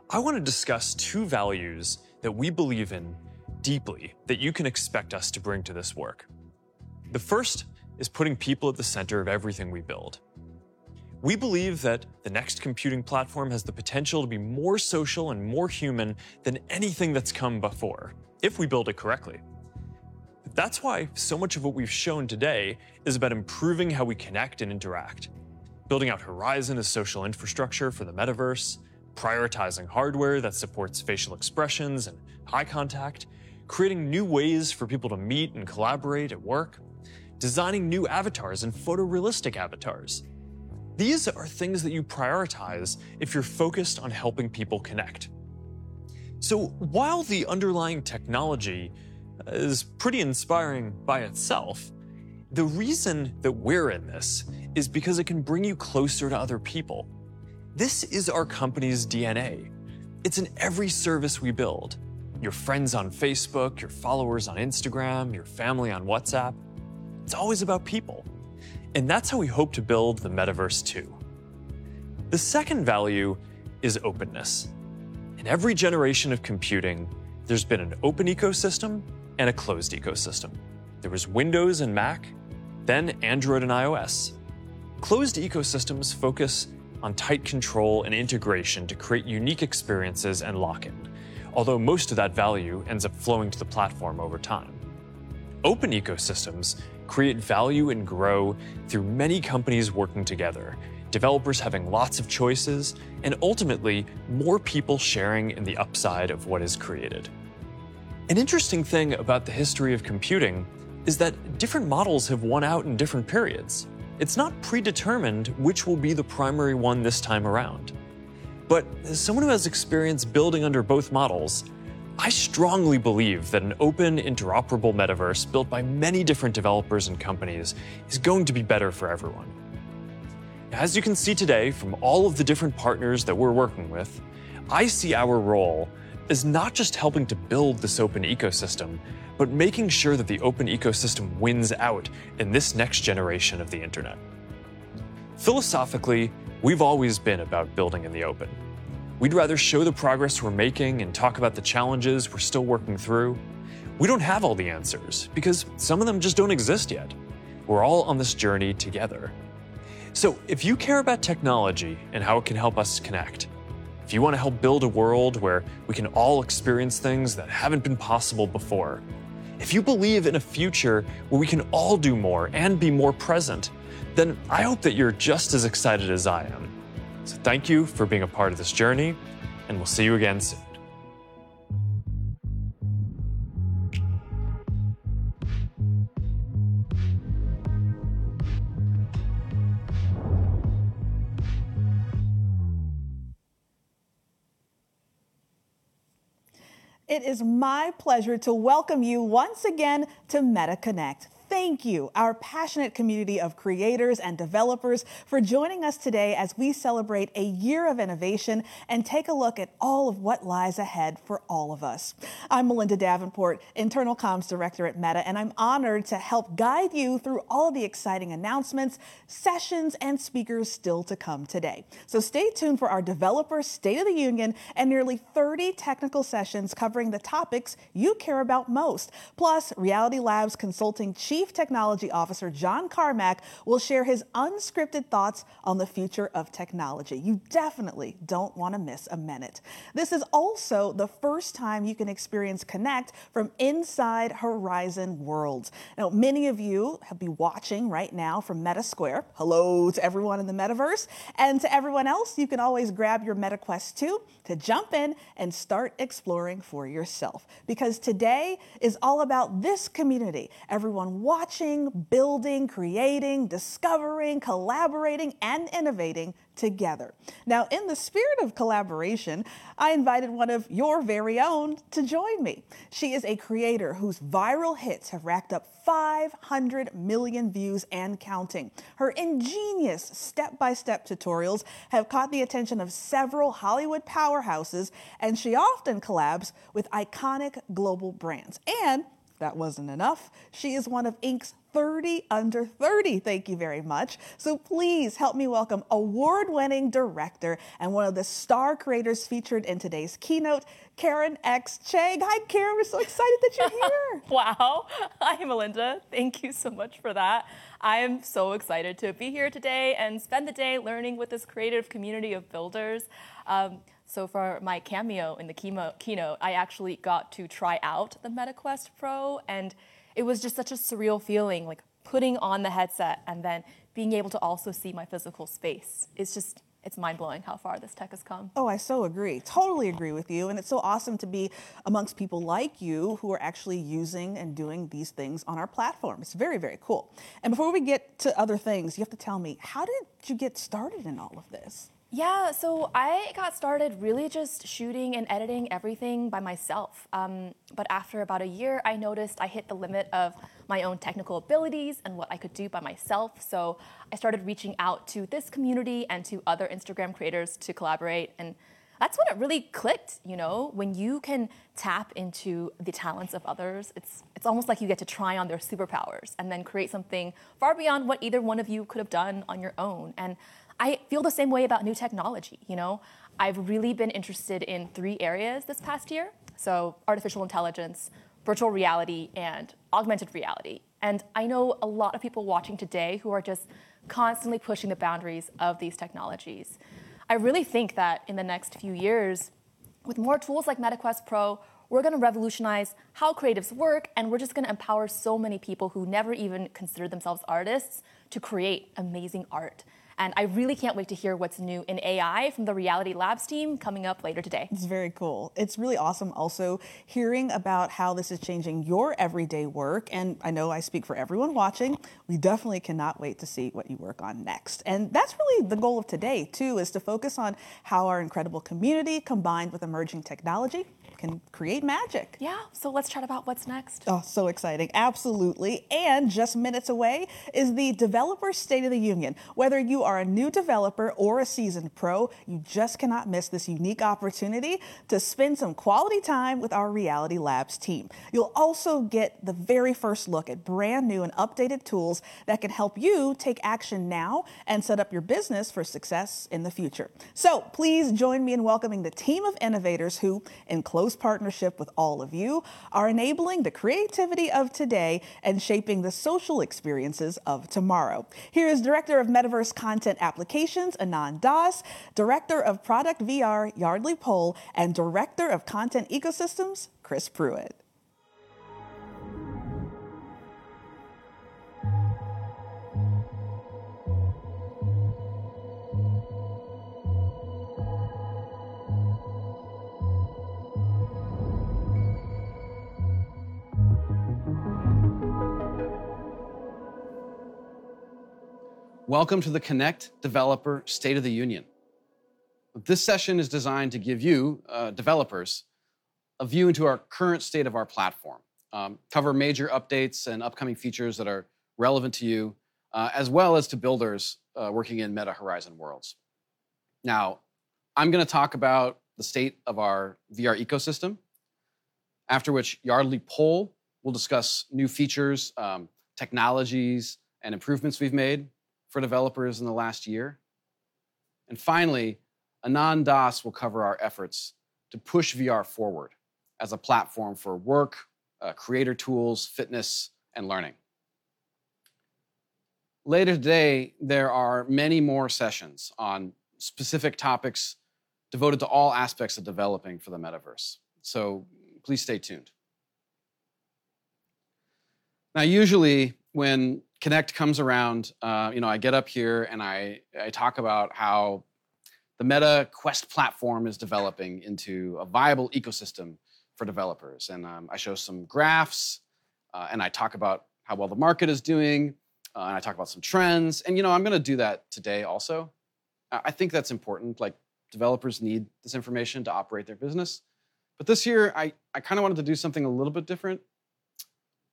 I wanna discuss two values that we believe in deeply that you can expect us to bring to this work. The first is putting people at the center of everything we build. We believe that the next computing platform has the potential to be more social and more human than anything that's come before if we build it correctly. That's why so much of what we've shown today is about improving how we connect and interact, building out Horizon as social infrastructure for the metaverse, prioritizing hardware that supports facial expressions and eye contact, creating new ways for people to meet and collaborate at work, designing new avatars and photorealistic avatars. These are things that you prioritize if you're focused on helping people connect. While the underlying technology is pretty inspiring by itself, the reason that we're in this is because it can bring you closer to other people. This is our company's DNA. It's in every service we build. Your friends on Facebook, your followers on Instagram, your family on WhatsApp, it's always about people, and that's how we hope to build the metaverse too. The second value is openness. In every generation of computing, there's been an open ecosystem and a closed ecosystem. There was Windows and Mac, then Android and iOS. Closed ecosystems focus on tight control and integration to create unique experiences and lock-in, although most of that value ends up flowing to the platform over time. Open ecosystems create value and grow through many companies working together, developers having lots of choices, and ultimately, more people sharing in the upside of what is created. An interesting thing about the history of computing is that different models have won out in different periods. It's not predetermined which will be the primary one this time around. As someone who has experience building under both models, I strongly believe that an open, interoperable metaverse built by many different developers and companies is going to be better for everyone. As you can see today from all of the different partners that we're working with, I see our role as not just helping to build this open ecosystem, but making sure that the open ecosystem wins out in this next generation of the internet. Philosophically, we've always been about building in the open. We'd rather show the progress we're making and talk about the challenges we're still working through. We don't have all the answers because some of them just don't exist yet. We're all on this journey together. If you care about technology and how it can help us connect, if you wanna help build a world where we can all experience things that haven't been possible before, if you believe in a future where we can all do more and be more present, then I hope that you're just as excited as I am. Thank you for being a part of this journey, and we'll see you again soon. It is my pleasure to welcome you once again to Meta Connect. Thank you, our passionate community of creators and developers, for joining us today as we celebrate a year of innovation and take a look at all of what lies ahead for all of us. I'm Melinda Davenport, Internal Comms Director at Meta, and I'm honored to help guide you through all of the exciting announcements, sessions, and speakers still to come today. Stay tuned for our developer state of the union and nearly 30 technical sessions covering the topics you care about most. Plus, Reality Labs Consulting Chief Technology Officer, John Carmack, will share his unscripted thoughts on the future of technology. You definitely don't wanna miss a minute. This is also the first time you can experience Connect from inside Horizon Worlds. Now, many of you have been watching right now from Meta Square. Hello to everyone in the Metaverse. To everyone else, you can always grab your Meta Quest 2 to jump in and start exploring for yourself, because today is all about this community, everyone watching, building, creating, discovering, collaborating, and innovating together. Now, in the spirit of collaboration, I invited one of your very own to join me. She is a creator whose viral hits have racked up 500 million views and counting. Her ingenious step-by-step tutorials have caught the attention of several Hollywood powerhouses, and she often collabs with iconic global brands. If that wasn't enough, she is one of Inc.'s 30 Under 30, thank you very much. Please help me welcome award-winning director and one of the star creators featured in today's keynote, Karen X. Cheng. Hi, Karen. We're so excited that you're here. Wow. Hi, Melinda. Thank you so much for that. I am so excited to be here today and spend the day learning with this creative community of builders. For my cameo in the keynote, I actually got to try out the Meta Quest Pro, and it was just such a surreal feeling, like, putting on the headset and then being able to also see my physical space. It's just, it's mind-blowing how far this tech has come. Oh, I so agree. Totally agree with you, and it's so awesome to be amongst people like you, who are actually using and doing these things on our platform. It's very, very cool. Before we get to other things, you have to tell me, how did you get started in all of this? Yeah. I got started really just shooting and editing everything by myself. After about a year, I noticed I hit the limit of my own technical abilities and what I could do by myself. I started reaching out to this community and to other Instagram creators to collaborate, and that's when it really clicked, you know? When you can tap into the talents of others, it's almost like you get to try on their superpowers and then create something far beyond what either one of you could've done on your own. I feel the same way about new technology, you know? I've really been interested in three areas this past year, so artificial intelligence, virtual reality, and augmented reality. I know a lot of people watching today who are just constantly pushing the boundaries of these technologies. I really think that in the next few years, with more tools like Meta Quest Pro, we're gonna revolutionize how creatives work, and we're just gonna empower so many people who never even considered themselves artists to create amazing art. I really can't wait to hear what's new in AI from the Reality Labs team coming up later today. It's very cool. It's really awesome also hearing about how this is changing your everyday work, and I know I speak for everyone watching, we definitely cannot wait to see what you work on next. That's really the goal of today too, is to focus on how our incredible community combined with emerging technology can create magic. Yeah. Let's chat about what's next. Oh, so exciting. Absolutely. Just minutes away is the Developer State of the Union. Whether you are a new developer or a seasoned pro, you just cannot miss this unique opportunity to spend some quality time with our Reality Labs team. You'll also get the very first look at brand-new and updated tools that can help you take action now and set up your business for success in the future. Please join me in welcoming the team of innovators who, in close partnership with all of you, are enabling the creativity of today and shaping the social experiences of tomorrow. Here's Director of Metaverse Content Applications, Anand Dass; Director of Product VR, Yardley Pohl; and Director of Content Ecosystem, Chris Pruett. Welcome to the Connect Developer State of the Union. This session is designed to give you, developers, a view into our current state of our platform, cover major updates and upcoming features that are relevant to you, as well as to builders, working in Meta Horizon Worlds. Now, I'm gonna talk about the state of our VR ecosystem, after which Yardley Pohl will discuss new features, technologies, and improvements we've made for developers in the last year. Finally, Anand Dass will cover our efforts to push VR forward as a platform for work, creator tools, fitness, and learning. Later today, there are many more sessions on specific topics devoted to all aspects of developing for the metaverse, so please stay tuned. Now, usually when Meta Connect comes around, you know, I get up here and I talk about how the Meta Quest platform is developing into a viable ecosystem for developers. I show some graphs, and I talk about how well the market is doing, and I talk about some trends, and, you know, I'm gonna do that today also. I think that's important. Like, developers need this information to operate their business. This year, I kinda wanted to do something a little bit different.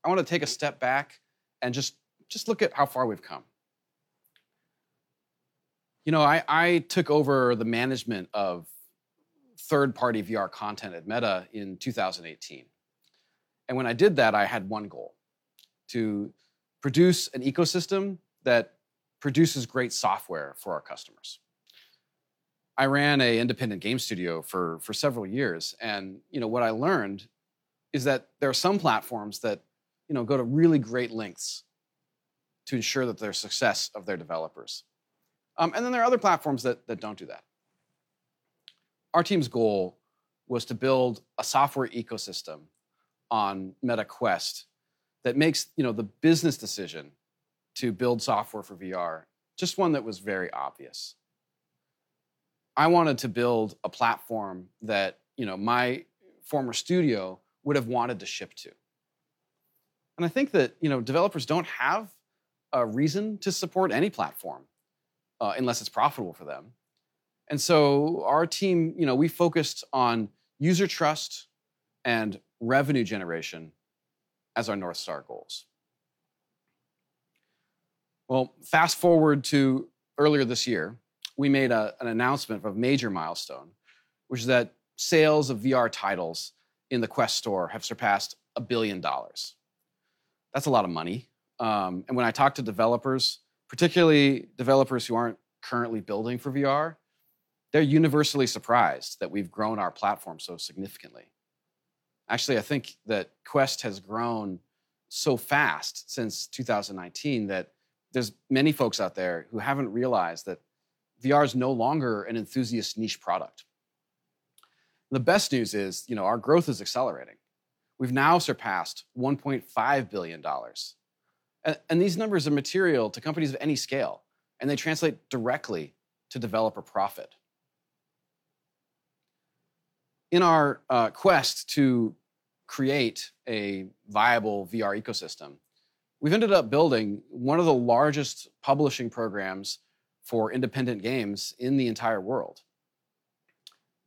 I wanna take a step back and just look at how far we've come. You know, I took over the management of third-party VR content at Meta in 2018. When I did that, I had one goal: to produce an ecosystem that produces great software for our customers. I ran an independent game studio for several years, you know, what I learned is that there are some platforms that, you know, go to really great lengths to ensure the success of their developers. Then there are other platforms that don't do that. Our team's goal was to build a software ecosystem on Meta Quest that makes, you know, the business decision to build software for VR just one that was very obvious. I wanted to build a platform that, you know, my former studio would've wanted to ship to. I think that, you know, developers don't have a reason to support any platform unless it's profitable for them. Our team, you know, we focused on user trust and revenue generation as our North Star goals. Fast-forward to earlier this year, we made an announcement of a major milestone, which is that sales of VR titles in the Quest store have surpassed $1 billion. That's a lot of money. When I talk to developers, particularly developers who aren't currently building for VR, they're universally surprised that we've grown our platform so significantly. Actually, I think that Quest has grown so fast since 2019 that there's many folks out there who haven't realized that VR is no longer an enthusiast niche product. The best news is, you know, our growth is accelerating. We've now surpassed $1.5 billion. These numbers are material to companies of any scale, and they translate directly to developer profit. In our quest to create a viable VR ecosystem, we've ended up building one of the largest publishing programs for independent games in the entire world,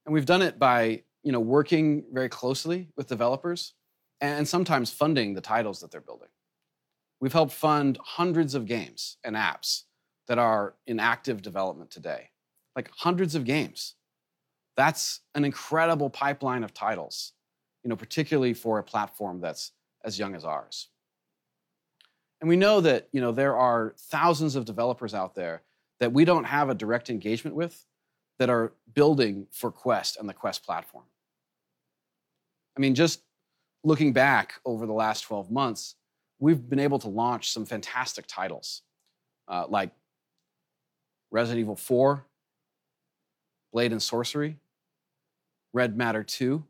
and we've done it by, you know, working very closely with developers and sometimes funding the titles that they're building. We've helped fund hundreds of games and apps that are in active development today. Like, hundreds of games. That's an incredible pipeline of titles, you know, particularly for a platform that's as young as ours. We know that, you know, there are thousands of developers out there that we don't have a direct engagement with that are building for Quest and the Quest platform. I mean, just looking back over the last 12 months, we've been able to launch some fantastic titles like Resident Evil 4, Blade & Sorcery, Red Matter 2,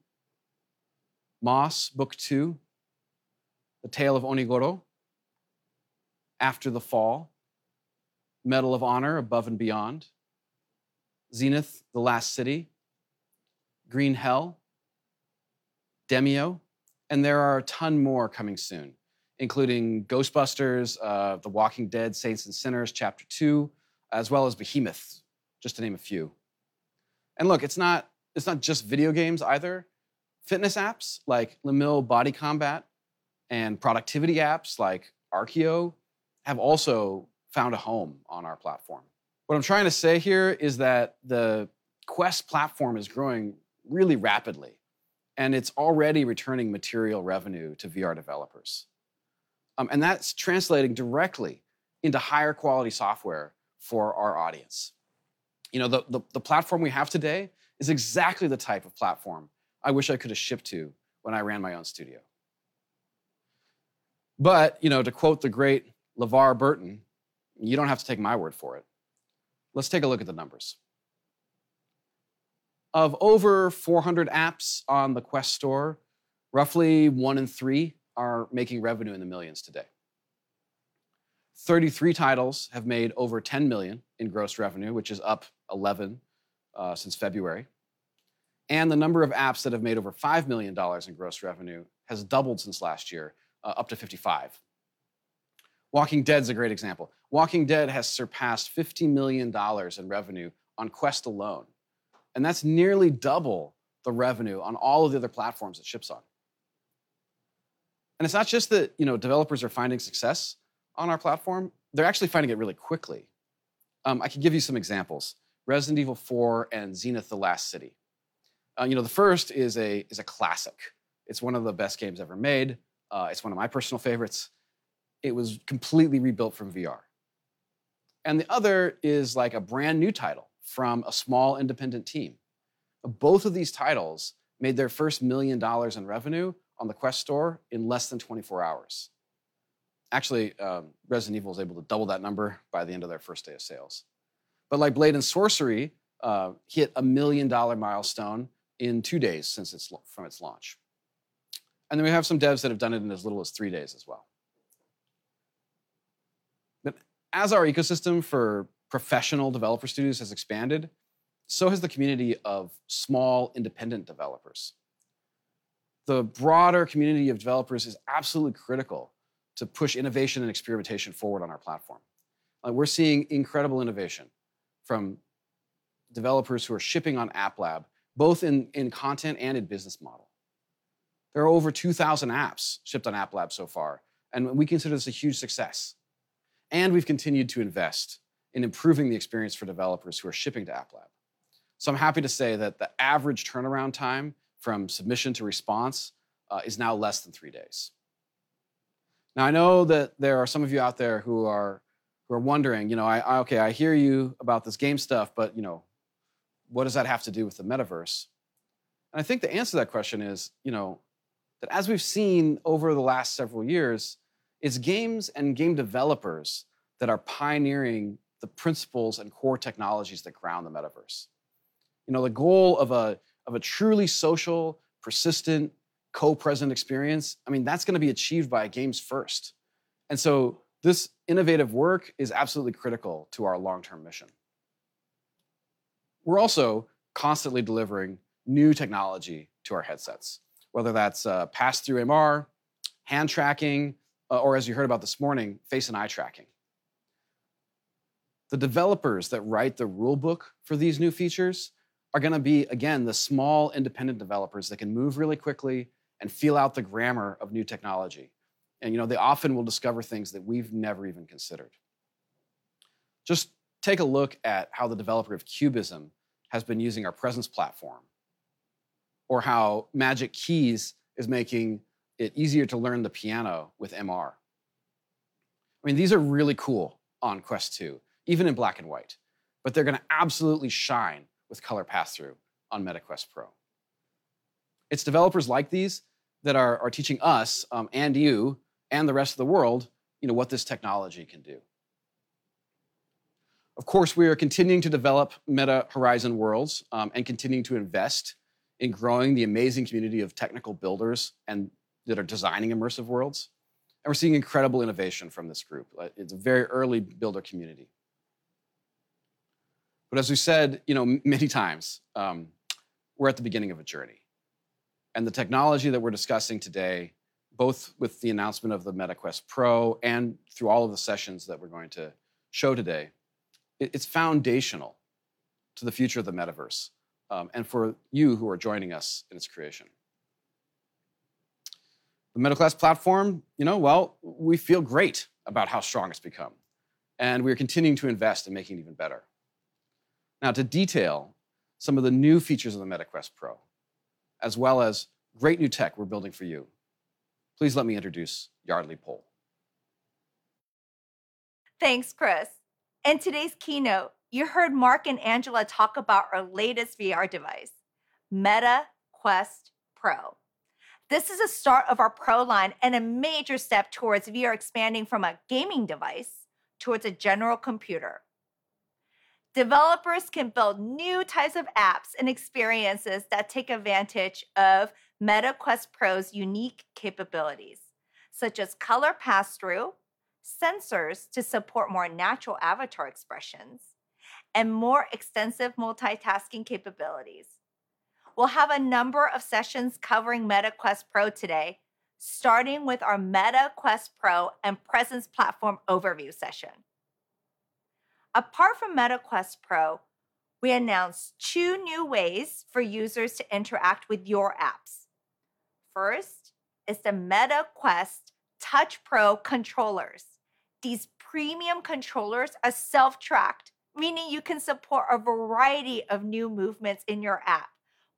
Moss: Book II, The Tale of Onogoro, After the Fall, Medal of Honor: Above and Beyond, Zenith: The Last City, Green Hell, Demeo, and there are a ton more coming soon, including Ghostbusters, The Walking Dead: Saints & Sinners Chapter 2, as well as Behemoth, just to name a few. Look, it's not just video games either. Fitness apps like Les Mills BodyCombat and productivity apps like Arkio have also found a home on our platform. What I'm trying to say here is that the Quest platform is growing really rapidly, and it's already returning material revenue to VR developers. That's translating directly into higher quality software for our audience. You know, the platform we have today is exactly the type of platform I wish I could have shipped to when I ran my own studio. You know, to quote the great LeVar Burton, "You don't have to take my word for it." Let's take a look at the numbers. Of over 400 apps on the Quest store, roughly 1/3 are making revenue in the millions today. 33 titles have made over $10 million in gross revenue, which is up $11 million since February. The number of apps that have made over $5 million in gross revenue has doubled since last year, up to $55 million. Walking Dead's a great example. Walking Dead has surpassed $50 million in revenue on Quest alone, and that's nearly double the revenue on all of the other platforms it ships on. It's not just that, you know, developers are finding success on our platform, they're actually finding it really quickly. I can give you some examples. Resident Evil 4 and Zenith: The Last City. You know, the first is a classic. It's one of the best games ever made. It's one of my personal favorites. It was completely rebuilt from VR. The other is, like, a brand-new title from a small independent team. Both of these titles made their first $1 million in revenue on the Quest Store in less than 24 hours. Actually, Resident Evil was able to double that number by the end of their first day of sales. Like Blade & Sorcery hit a $1 million milestone in 2 days from its launch. We have some devs that have done it in as little as three days as well. As our ecosystem for professional developer studios has expanded, so has the community of small independent developers. The broader community of developers is absolutely critical to push innovation and experimentation forward on our platform. We're seeing incredible innovation from developers who are shipping on App Lab, both in content and in business model. There are over 2,000 apps shipped on App Lab so far, and we consider this a huge success. We've continued to invest in improving the experience for developers who are shipping to App Lab. I'm happy to say that the average turnaround time from submission to response is now less than three days. Now, I know that there are some of you out there who are wondering, you know, okay, I hear you about this game stuff, but, you know, what does that have to do with the metaverse? I think the answer to that question is, you know, that as we've seen over the last several years, it's games and game developers that are pioneering the principles and core technologies that ground the metaverse. You know, the goal of a truly social, persistent, co-present experience, I mean, that's gonna be achieved by games first, and so this innovative work is absolutely critical to our long-term mission. We're also constantly delivering new technology to our headsets, whether that's passthrough MR, hand tracking, or as you heard about this morning, face and eye tracking. The developers that write the rule book for these new features are gonna be, again, the small independent developers that can move really quickly and feel out the grammar of new technology. You know, they often will discover things that we've never even considered. Just take a look at how the developer of Cubism has been using our Presence Platform or how Magic Keys is making it easier to learn the piano with MR. I mean, these are really cool on Quest 2, even in black and white, but they're gonna absolutely shine with color pass-through on Meta Quest Pro. It's developers like these that are teaching us and you, and the rest of the world, you know, what this technology can do. Of course, we are continuing to develop Meta Horizon Worlds, and continuing to invest in growing the amazing community of technical builders and that are designing immersive worlds, and we're seeing incredible innovation from this group. It's a very early builder community. As we said, you know, many times, we're at the beginning of a journey, and the technology that we're discussing today, both with the announcement of the Meta Quest Pro and through all of the sessions that we're going to show today, it's foundational to the future of the metaverse, and for you who are joining us in its creation. The Meta Quest platform, you know, well, we feel great about how strong it's become, and we are continuing to invest in making it even better. Now, to detail some of the new features of the Meta Quest Pro, as well as great new tech we're building for you, please let me introduce Yardley Pohl. Thanks, Chris. In today's keynote, you heard Mark and Angela talk about our latest VR device, Meta Quest Pro. This is the start of our Pro line and a major step towards VR expanding from a gaming device towards a general computer. Developers can build new types of apps and experiences that take advantage of Meta Quest Pro's unique capabilities. Such as color Passthrough, sensors to support more natural avatar expressions, and more extensive multitasking capabilities. We'll have a number of sessions covering Meta Quest Pro today, starting with our Meta Quest Pro and Presence Platform overview session. Apart from Meta Quest Pro, we announced two new ways for users to interact with your apps. First is the Meta Quest Touch Pro controllers. These premium controllers are self-tracked, meaning you can support a variety of new movements in your app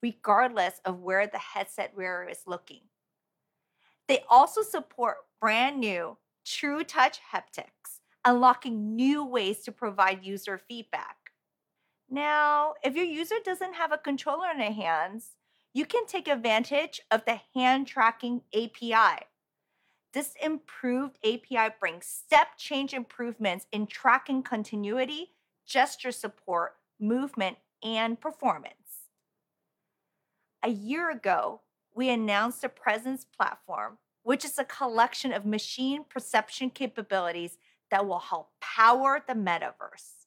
regardless of where the headset wearer is looking. They also support brand-new TruTouch haptics, unlocking new ways to provide user feedback. Now, if your user doesn't have a controller in their hands, you can take advantage of the hand-tracking API. This improved API brings step-change improvements in tracking continuity, gesture support, movement, and performance. A year ago, we announced a Presence Platform, which is a collection of machine perception capabilities that will help power the Metaverse.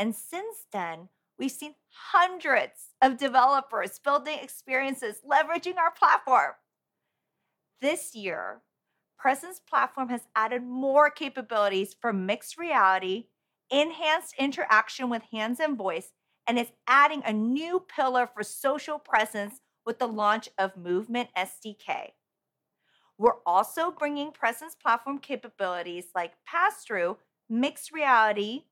Since then, we've seen hundreds of developers building experiences leveraging our platform. This year, Presence Platform has added more capabilities for mixed reality, enhanced interaction with hands and voice, and is adding a new pillar for social presence with the launch of Movement SDK. We're also bringing Presence Platform capabilities like passthrough, mixed reality,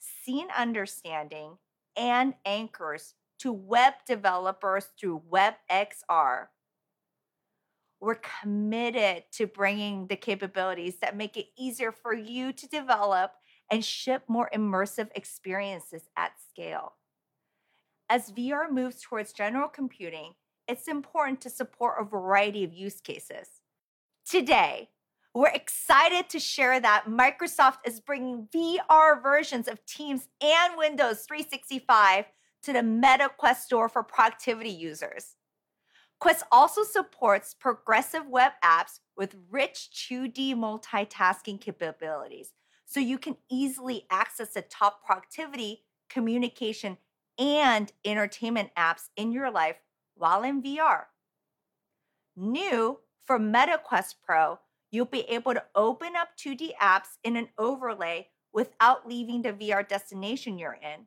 scene understanding, and anchors to web developers through WebXR. We're committed to bringing the capabilities that make it easier for you to develop and ship more immersive experiences at scale. As VR moves towards general computing, it's important to support a variety of use cases. Today, we're excited to share that Microsoft is bringing VR versions of Teams and Windows 365 to the Meta Quest Store for productivity users. Quest also supports progressive web apps with rich 2D multitasking capabilities, so you can easily access the top productivity, communication, and entertainment apps in your life while in VR. New for Meta Quest Pro, you'll be able to open up 2D apps in an overlay without leaving the VR destination you're in,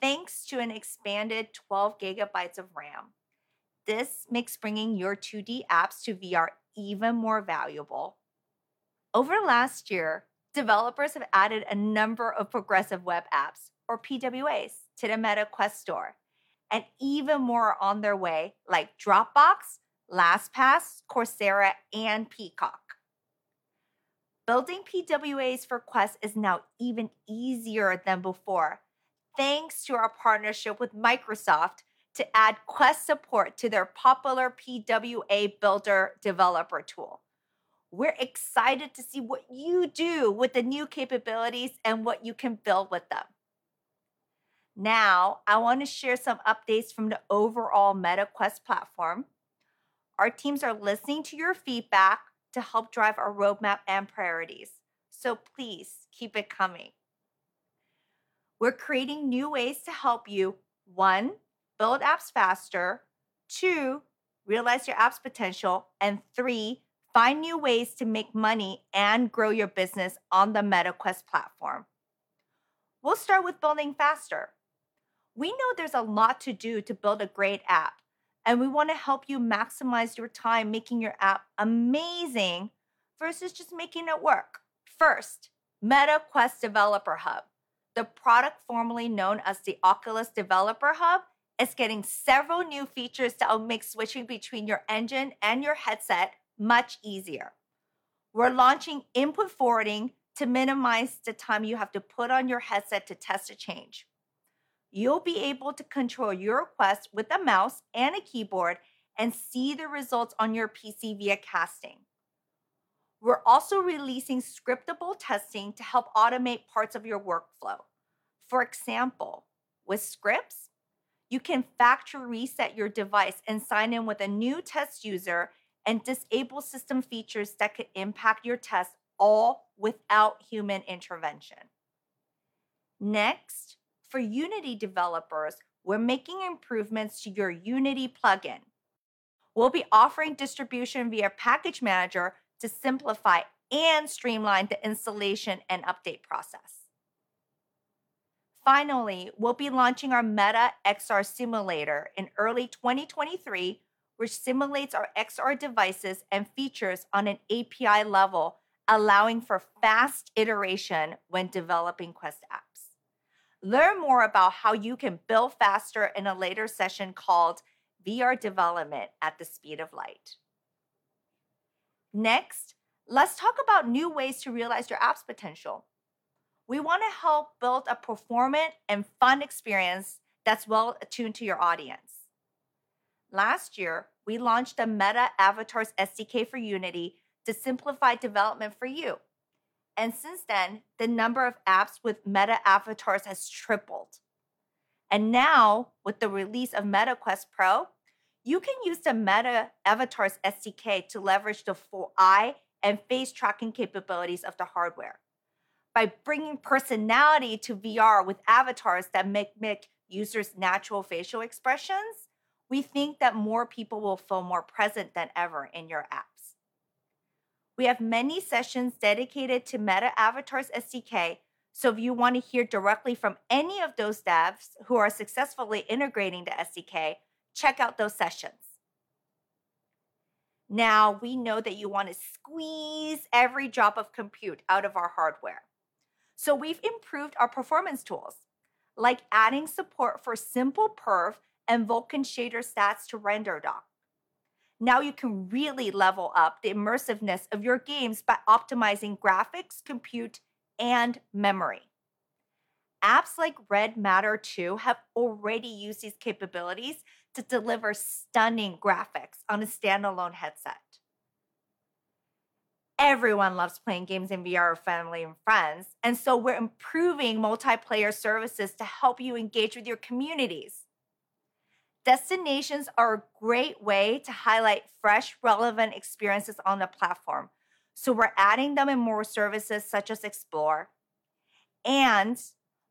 thanks to an expanded 12 GB of RAM. This makes bringing your 2D apps to VR even more valuable. Over last year, developers have added a number of progressive web apps, or PWAs, to the Meta Quest Store, and even more are on their way, like Dropbox, LastPass, Coursera, and Peacock. Building PWAs for Quest is now even easier than before thanks to our partnership with Microsoft to add Quest support to their popular PWABuilder developer tool. We're excited to see what you do with the new capabilities and what you can build with them. Now, I want to share some updates from the overall Meta Quest platform. Our teams are listening to your feedback to help drive our roadmap and priorities, so please keep it coming. We're creating new ways to help you, one, build apps faster, two, realize your app's potential, and three, find new ways to make money and grow your business on the Meta Quest platform. We'll start with building faster. We know there's a lot to do to build a great app, and we want to help you maximize your time making your app amazing versus just making it work. First, Meta Quest Developer Hub, the product formerly known as the Oculus Developer Hub, is getting several new features that'll make switching between your engine and your headset much easier. We're launching input forwarding to minimize the time you have to put on your headset to test a change. You'll be able to control your Quest with a mouse and a keyboard and see the results on your PC via casting. We're also releasing scriptable testing to help automate parts of your workflow. For example, with scripts, you can factory-reset your device and sign in with a new test user and disable system features that could impact your test, all without human intervention. Next, for Unity developers, we're making improvements to your Unity plugin. We'll be offering distribution via Package Manager to simplify and streamline the installation and update process. Finally, we'll be launching our Meta XR Simulator in early 2023, which simulates our XR devices and features on an API level, allowing for fast iteration when developing Quest apps. Learn more about how you can build faster in a later session called VR Development at the Speed of Light. Next, let's talk about new ways to realize your app's potential. We want to help build a performant and fun experience that's well-attuned to your audience. Last year, we launched a Meta Avatars SDK for Unity to simplify development for you. Since then, the number of apps with Meta Avatars has tripled. Now, with the release of Meta Quest Pro, you can use the Meta Avatars SDK to leverage the full eye and face-tracking capabilities of the hardware. By bringing personality to VR with avatars that mimic users' natural facial expressions, we think that more people will feel more present than ever in your apps. We have many sessions dedicated to Meta Avatars SDK, so if you wanna hear directly from any of those devs who are successfully integrating the SDK, check out those sessions. Now, we know that you wanna squeeze every drop of compute out of our hardware, so we've improved our performance tools, like adding support for Simpleperf and Vulkan Shader Stats to RenderDoc. Now you can really level up the immersiveness of your games by optimizing graphics, compute, and memory. Apps like Red Matter 2 have already used these capabilities to deliver stunning graphics on a standalone headset. Everyone loves playing games in VR with family and friends, and so we're improving multiplayer services to help you engage with your communities. Destinations are a great way to highlight fresh, relevant experiences on the platform, so we're adding them in more services such as Explore.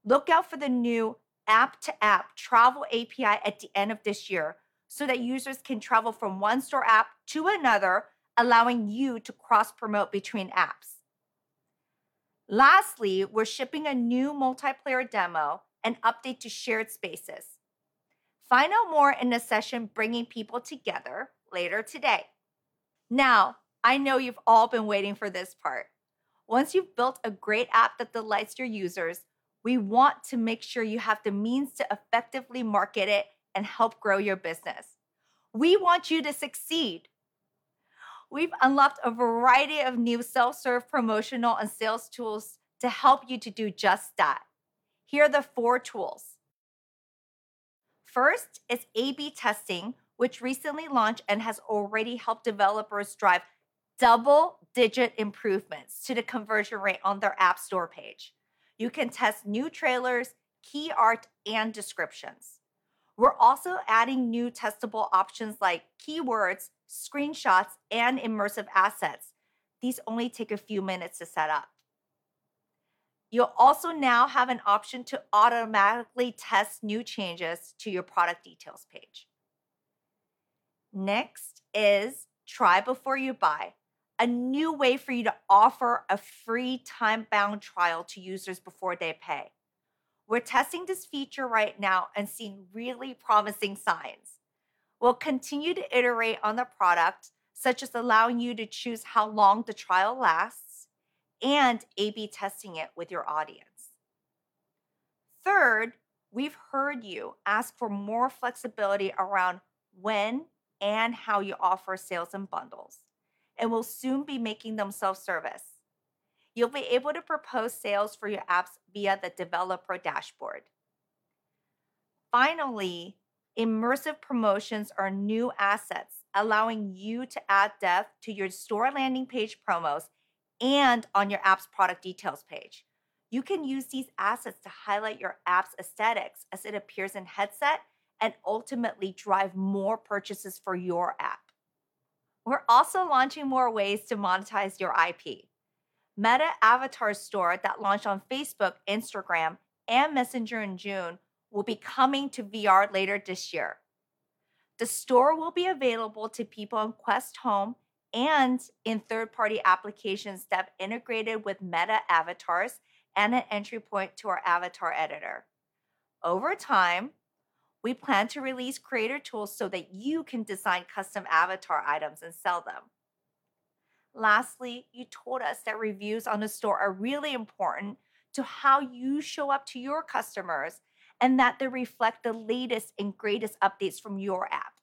Look out for the new app-to-app travel API at the end of this year so that users can travel from one store app to another, allowing you to cross-promote between apps. Lastly, we're shipping a new multiplayer demo and update to Shared Spaces. Find out more in the session Bringing People Together later today. Now, I know you've all been waiting for this part. Once you've built a great app that delights your users, we want to make sure you have the means to effectively market it and help grow your business. We want you to succeed. We've unlocked a variety of new self-serve promotional and sales tools to help you to do just that. Here are the four tools. First is A/B testing, which recently launched and has already helped developers drive double-digit improvements to the conversion rate on their app store page. You can test new trailers, key art, and descriptions. We're also adding new testable options like keywords, screenshots, and immersive assets. These only take a few minutes to set up. You'll also now have an option to automatically test new changes to your product details page. Next is Try Before You Buy, a new way for you to offer a free time-bound trial to users before they pay. We're testing this feature right now and seeing really promising signs. We'll continue to iterate on the product, such as allowing you to choose how long the trial lasts and A/B testing it with your audience. Third, we've heard you ask for more flexibility around when and how you offer sales and bundles, and we'll soon be making them self-service. You'll be able to propose sales for your apps via the developer dashboard. Finally, immersive promotions are new assets allowing you to add depth to your store landing page promos and on your app's product details page. You can use these assets to highlight your app's aesthetics as it appears in headset and ultimately drive more purchases for your app. We're also launching more ways to monetize your IP. Meta Avatars Store that launched on Facebook, Instagram, and Messenger in June will be coming to VR later this year. The store will be available to people in Quest Home and in third-party applications that have integrated with Meta Avatars and an entry point to our avatar editor. Over time, we plan to release creator tools so that you can design custom avatar items and sell them. Lastly, you told us that reviews on the store are really important to how you show up to your customers, and that they reflect the latest and greatest updates from your app.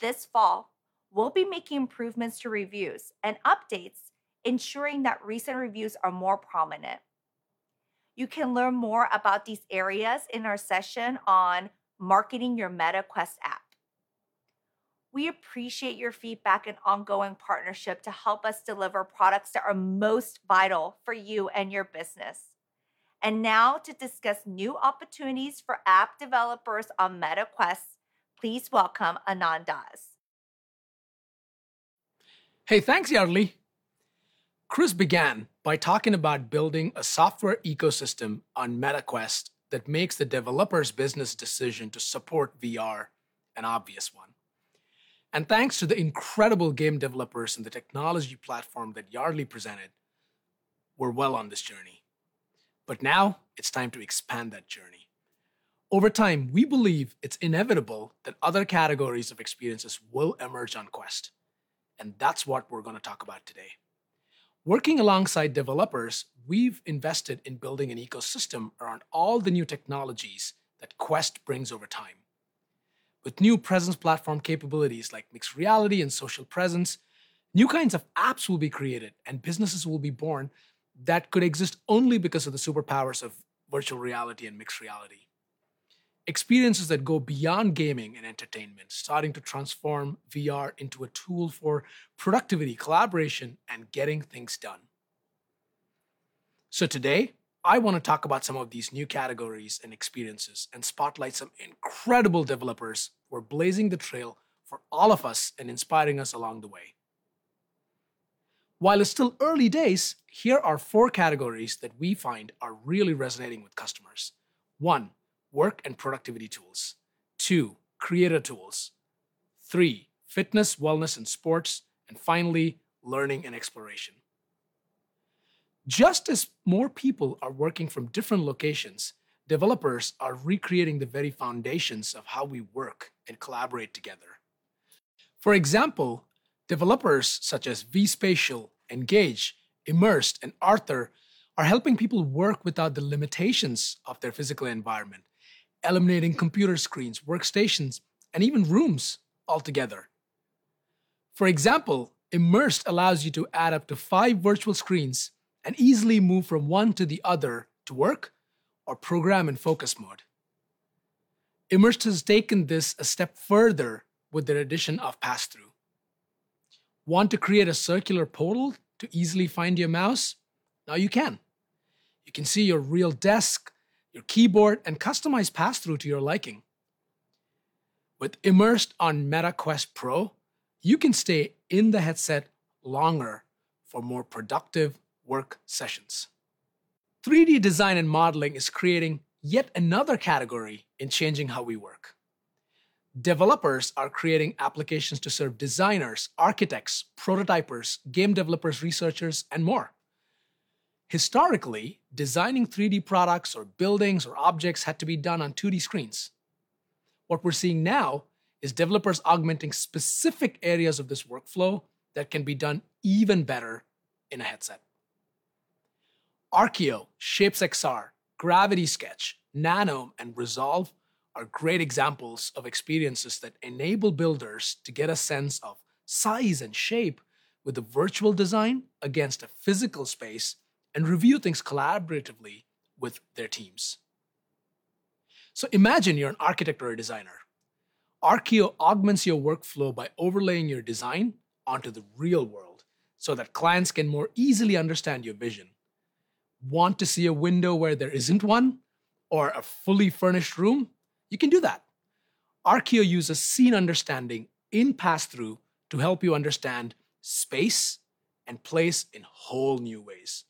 This fall, we'll be making improvements to reviews and updates, ensuring that recent reviews are more prominent. You can learn more about these areas in our session on marketing your Meta Quest app. We appreciate your feedback and ongoing partnership to help us deliver products that are most vital for you and your business. Now to discuss new opportunities for app developers on Meta Quest, please welcome Anand Dass. Hey, thanks, Yardley. Chris began by talking about building a software ecosystem on Meta Quest that makes the developer's business decision to support VR an obvious one. Thanks to the incredible game developers and the technology platform that Yardley presented, we're well on this journey, but now it's time to expand that journey. Over time, we believe it's inevitable that other categories of experiences will emerge on Quest, and that's what we're gonna talk about today. Working alongside developers, we've invested in building an ecosystem around all the new technologies that Quest brings over time. With new Presence Platform capabilities, like mixed reality and social presence, new kinds of apps will be created and businesses will be born that could exist only because of the superpowers of virtual reality and mixed reality. Experiences that go beyond gaming and entertainment, starting to transform VR into a tool for productivity, collaboration, and getting things done. Today, I wanna talk about some of these new categories and experiences, and spotlight some incredible developers who are blazing the trail for all of us and inspiring us along the way. While it's still early days, here are four categories that we find are really resonating with customers. One, work and productivity tools. Two, creator tools. Three, fitness, wellness, and sports. Finally, learning and exploration. Just as more people are working from different locations, developers are recreating the very foundations of how we work and collaborate together. For example, developers such as vSpatial, ENGAGE, Immersed, and Arthur are helping people work without the limitations of their physical environment, eliminating computer screens, workstations, and even rooms altogether. For example, Immersed allows you to add up to five virtual screens and easily move from one to the other to work or program in focus mode. Immersed has taken this a step further with their addition of Passthrough. Want to create a circular portal to easily find your mouse? Now you can. You can see your real desk, your keyboard, and customize Passthrough to your liking. With Immersed on Meta Quest Pro, you can stay in the headset longer for more productive work sessions. 3D design and modeling is creating yet another category in changing how we work. Developers are creating applications to serve designers, architects, prototypers, game developers, researchers, and more. Historically, designing 3D products or buildings or objects had to be done on 2D screens. What we're seeing now is developers augmenting specific areas of this workflow that can be done even better in a headset. Arkio, ShapesXR, Gravity Sketch, Nanome, and Resolve are great examples of experiences that enable builders to get a sense of size and shape with a virtual design against a physical space and review things collaboratively with their teams. Imagine you're an architect or a designer. Arkio augments your workflow by overlaying your design onto the real world so that clients can more easily understand your vision. Want to see a window where there isn't one, or a fully furnished room? You can do that. Arkio uses scene understanding in Passthrough to help you understand space and place in whole new ways.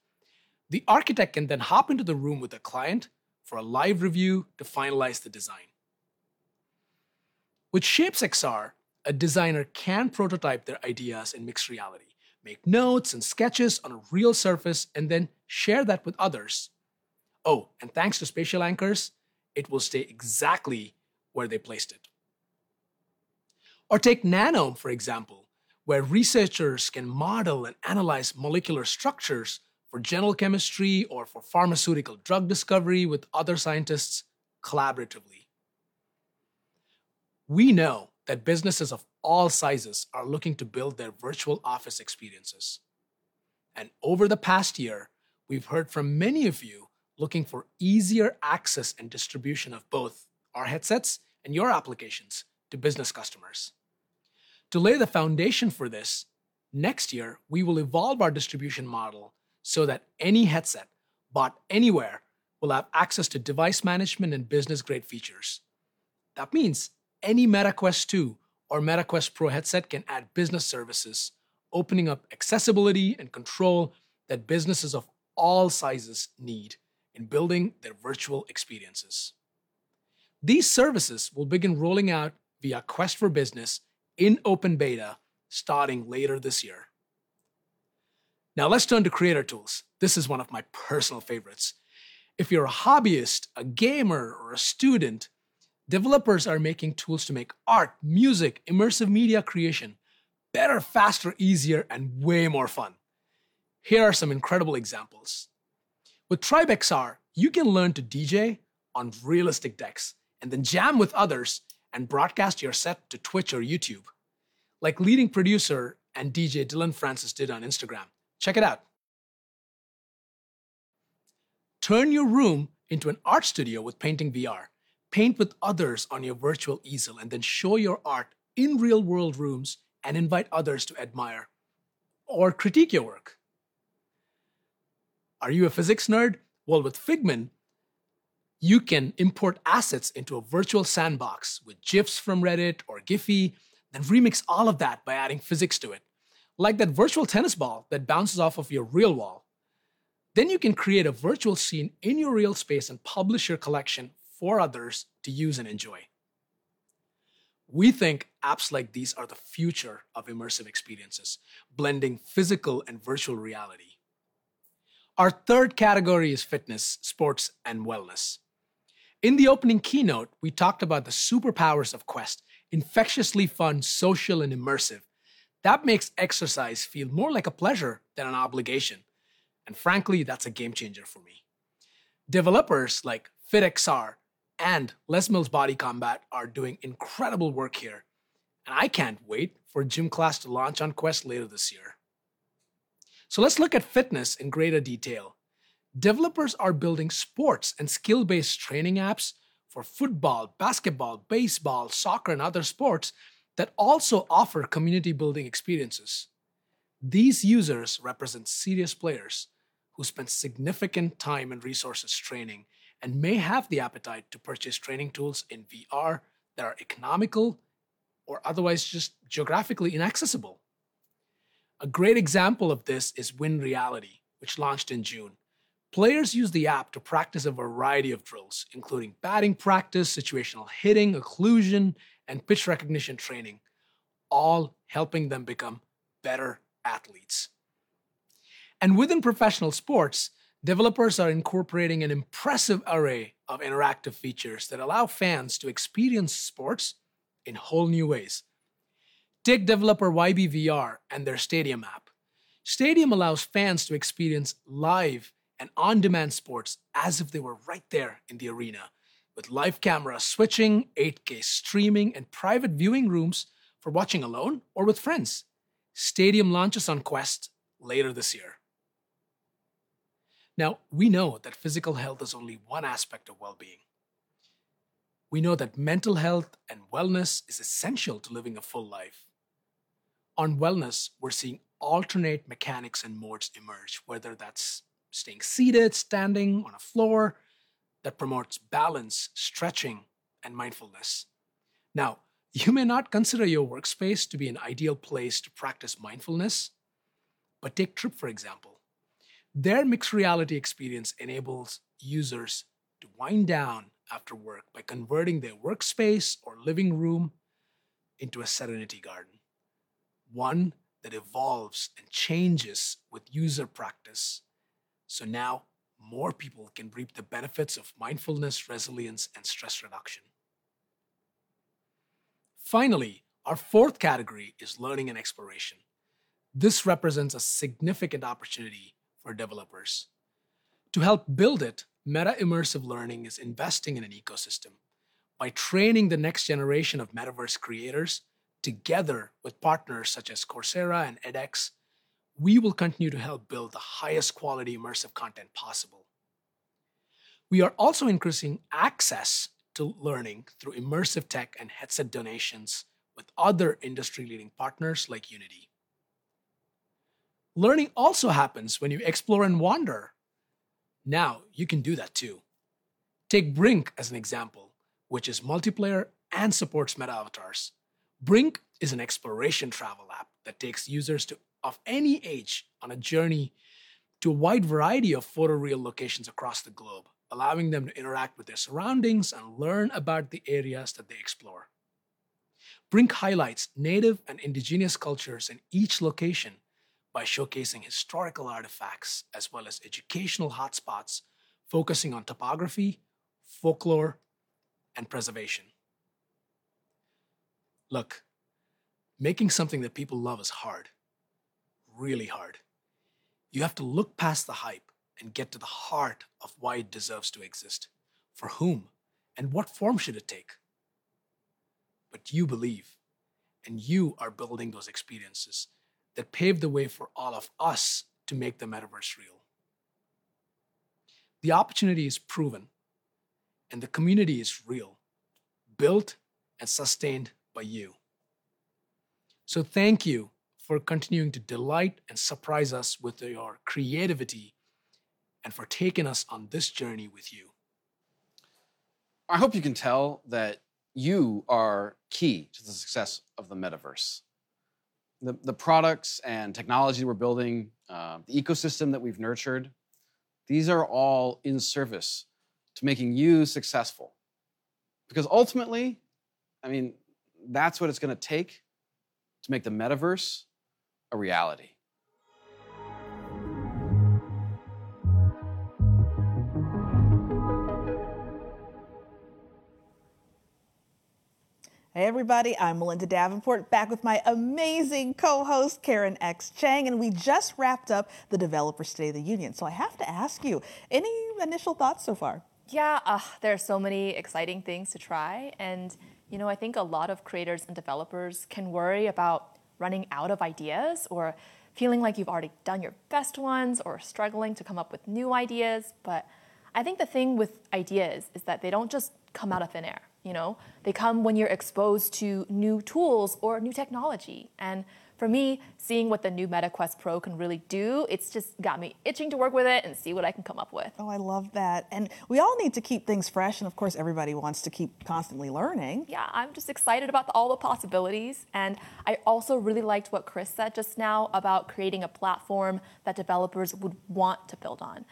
The architect can then hop into the room with a client for a live review to finalize the design. With ShapesXR, a designer can prototype their ideas in mixed reality, make notes and sketches on a real surface, and then share that with others. Oh, thanks to spatial anchors, it will stay exactly where they placed it. Or take Nanome, for example, where researchers can model and analyze molecular structures for general chemistry or for pharmaceutical drug discovery with other scientists collaboratively. We know that businesses of all sizes are looking to build their virtual office experiences, and over the past year, we've heard from many of you looking for easier access and distribution of both our headsets and your applications to business customers. To lay the foundation for this, next year we will evolve our distribution model so that any headset bought anywhere will have access to device management and business-grade features. That means any Meta Quest 2 or Meta Quest Pro headset can add business services, opening up accessibility and control that businesses of all sizes need in building their virtual experiences. These services will begin rolling out via Quest for Business in open beta starting later this year. Now let's turn to creator tools. This is one of my personal favorites. If you're a hobbyist, a gamer, or a student, developers are making tools to make art, music, immersive media creation better, faster, easier, and way more fun. Here are some incredible examples. With Tribe XR, you can learn to DJ on realistic decks and then jam with others and broadcast your set to Twitch or YouTube, like leading producer and DJ Dillon Francis did on Instagram. Check it out. Turn your room into an art studio with Painting VR. Paint with others on your virtual easel, and then show your art in real-world rooms and invite others to admire or critique your work. Are you a physics nerd? Well, with Figmin, you can import assets into a virtual sandbox with GIFs from Reddit or GIPHY, then remix all of that by adding physics to it, like that virtual tennis ball that bounces off of your real wall. You can create a virtual scene in your real space and publish your collection for others to use and enjoy. We think apps like these are the future of immersive experiences, blending physical and virtual reality. Our third category is fitness, sports, and wellness. In the opening keynote, we talked about the superpowers of Quest, infectiously fun, social, and immersive. That makes exercise feel more like a pleasure than an obligation, and frankly, that's a game changer for me. Developers like FitXR and Les Mills Bodycombat are doing incredible work here, and I can't wait for Gym Class to launch on Quest later this year. Let's look at fitness in greater detail. Developers are building sports and skill-based training apps for football, basketball, baseball, soccer, and other sports that also offer community-building experiences. These users represent serious players who spend significant time and resources training and may have the appetite to purchase training tools in VR that are economical or otherwise just geographically inaccessible. A great example of this is WIN Reality, which launched in June. Players use the app to practice a variety of drills, including batting practice, situational hitting, occlusion, and pitch recognition training, all helping them become better athletes. Within professional sports, developers are incorporating an impressive array of interactive features that allow fans to experience sports in whole new ways. Take developer YBVR and their Xtadium app. Xtadium allows fans to experience live and on-demand sports as if they were right there in the arena, with live camera switching, 8K streaming, and private viewing rooms for watching alone or with friends. Xtadium launches on Quest later this year. Now, we know that physical health is only one aspect of well-being. We know that mental health and wellness is essential to living a full life. On wellness, we're seeing alternate mechanics and modes emerge, whether that's staying seated, standing on a floor, that promotes balance, stretching, and mindfulness. Now, you may not consider your workspace to be an ideal place to practice mindfulness, but take TRIPP, for example. Their mixed reality experience enables users to wind down after work by converting their workspace or living room into a serenity garden, one that evolves and changes with user practice, so now more people can reap the benefits of mindfulness, resilience, and stress reduction. Finally, our fourth category is learning and exploration. This represents a significant opportunity for developers. To help build it, Meta Immersive Learning is investing in an ecosystem. By training the next generation of metaverse creators together with partners such as Coursera and edX, we will continue to help build the highest quality immersive content possible. We are also increasing access to learning through immersive tech and headset donations with other industry-leading partners like Unity. Learning also happens when you explore and wander. Now, you can do that, too. Take BRINK as an example, which is multiplayer and supports Meta Avatars. BRINK is an exploration travel app that takes users of any age to a journey to a wide variety of photoreal locations across the globe, allowing them to interact with their surroundings and learn about the areas that they explore. BRINK highlights native and indigenous cultures in each location by showcasing historical artifacts as well as educational hotspots focusing on topography, folklore, and preservation. Look, making something that people love is hard, really hard. You have to look past the hype and get to the heart of why it deserves to exist, for whom, and what form should it take. You believe, and you are building those experiences that pave the way for all of us to make the metaverse real. The opportunity is proven, and the community is real, built and sustained by you. Thank you for continuing to delight and surprise us with your creativity and for taking us on this journey with you. I hope you can tell that you are key to the success of the metaverse. The products and technology we're building, the ecosystem that we've nurtured, these are all in service to making you successful. Ultimately, I mean, that's what it's gonna take to make the metaverse a reality. Hey, everybody. I'm Melinda Davenport, back with my amazing co-host, Karen X. Cheng, and we just wrapped up the Developer State of the Union. I have to ask you, any initial thoughts so far? Yeah. There are so many exciting things to try, and, you know, I think a lot of creators and developers can worry about running out of ideas or feeling like you've already done your best ones or struggling to come up with new ideas. But I think the thing with ideas is that they don't just come out of thin air, you know? They come when you're exposed to new tools or new technology. For me, seeing what the new Meta Quest Pro can really do, it's just got me itching to work with it and see what I can come up with. Oh, I love that. We all need to keep things fresh, and of course, everybody wants to keep constantly learning. Yeah. I'm just excited about all the possibilities, and I also really liked what Chris said just now about creating a platform that developers would want to build on.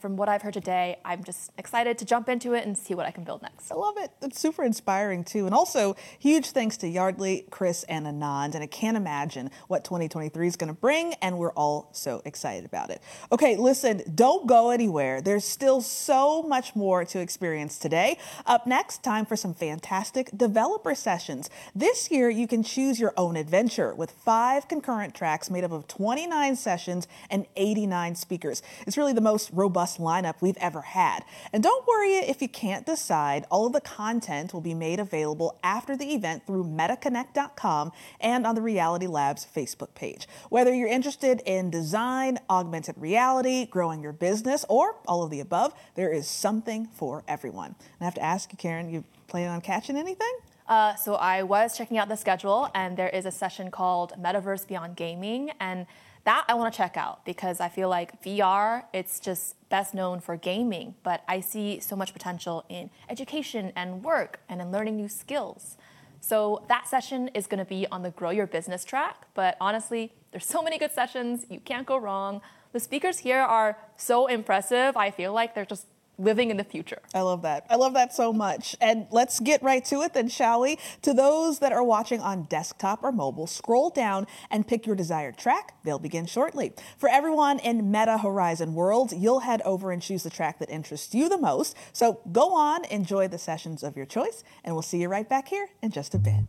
From what I've heard today, I'm just excited to jump into it and see what I can build next. I love it. It's super inspiring, too. Also, huge thanks to Yardley, Chris, and Anand, and I can't imagine what 2023's gonna bring, and we're all so excited about it. Okay, listen, don't go anywhere. There's still so much more to experience today. Up next, time for some fantastic developer sessions. This year, you can choose your own adventure, with five concurrent tracks made up of 29 sessions and 89 speakers. It's really the most robust lineup we've ever had. Don't worry if you can't decide. All of the content will be made available after the event through metaconnect.com and on the Reality Labs Facebook page. Whether you're interested in design, augmented reality, growing your business, or all of the above, there is something for everyone. I have to ask you, Karen, you plan on catching anything? I was checking out the schedule, and there is a session called Metaverse Beyond Gaming, and that I wanna check out because I feel like VR, it's just best known for gaming, but I see so much potential in education and work and in learning new skills. That session is gonna be on the Grow Your Business track, but honestly, there's so many good sessions. You can't go wrong. The speakers here are so impressive. I feel like they're just living in the future. I love that. I love that so much. Let's get right to it, then, shall we? To those that are watching on desktop or mobile, scroll down and pick your desired track. They'll begin shortly. For everyone in Meta Horizon Worlds, you'll head over and choose the track that interests you the most. Go on, enjoy the sessions of your choice, and we'll see you right back here in just a bit.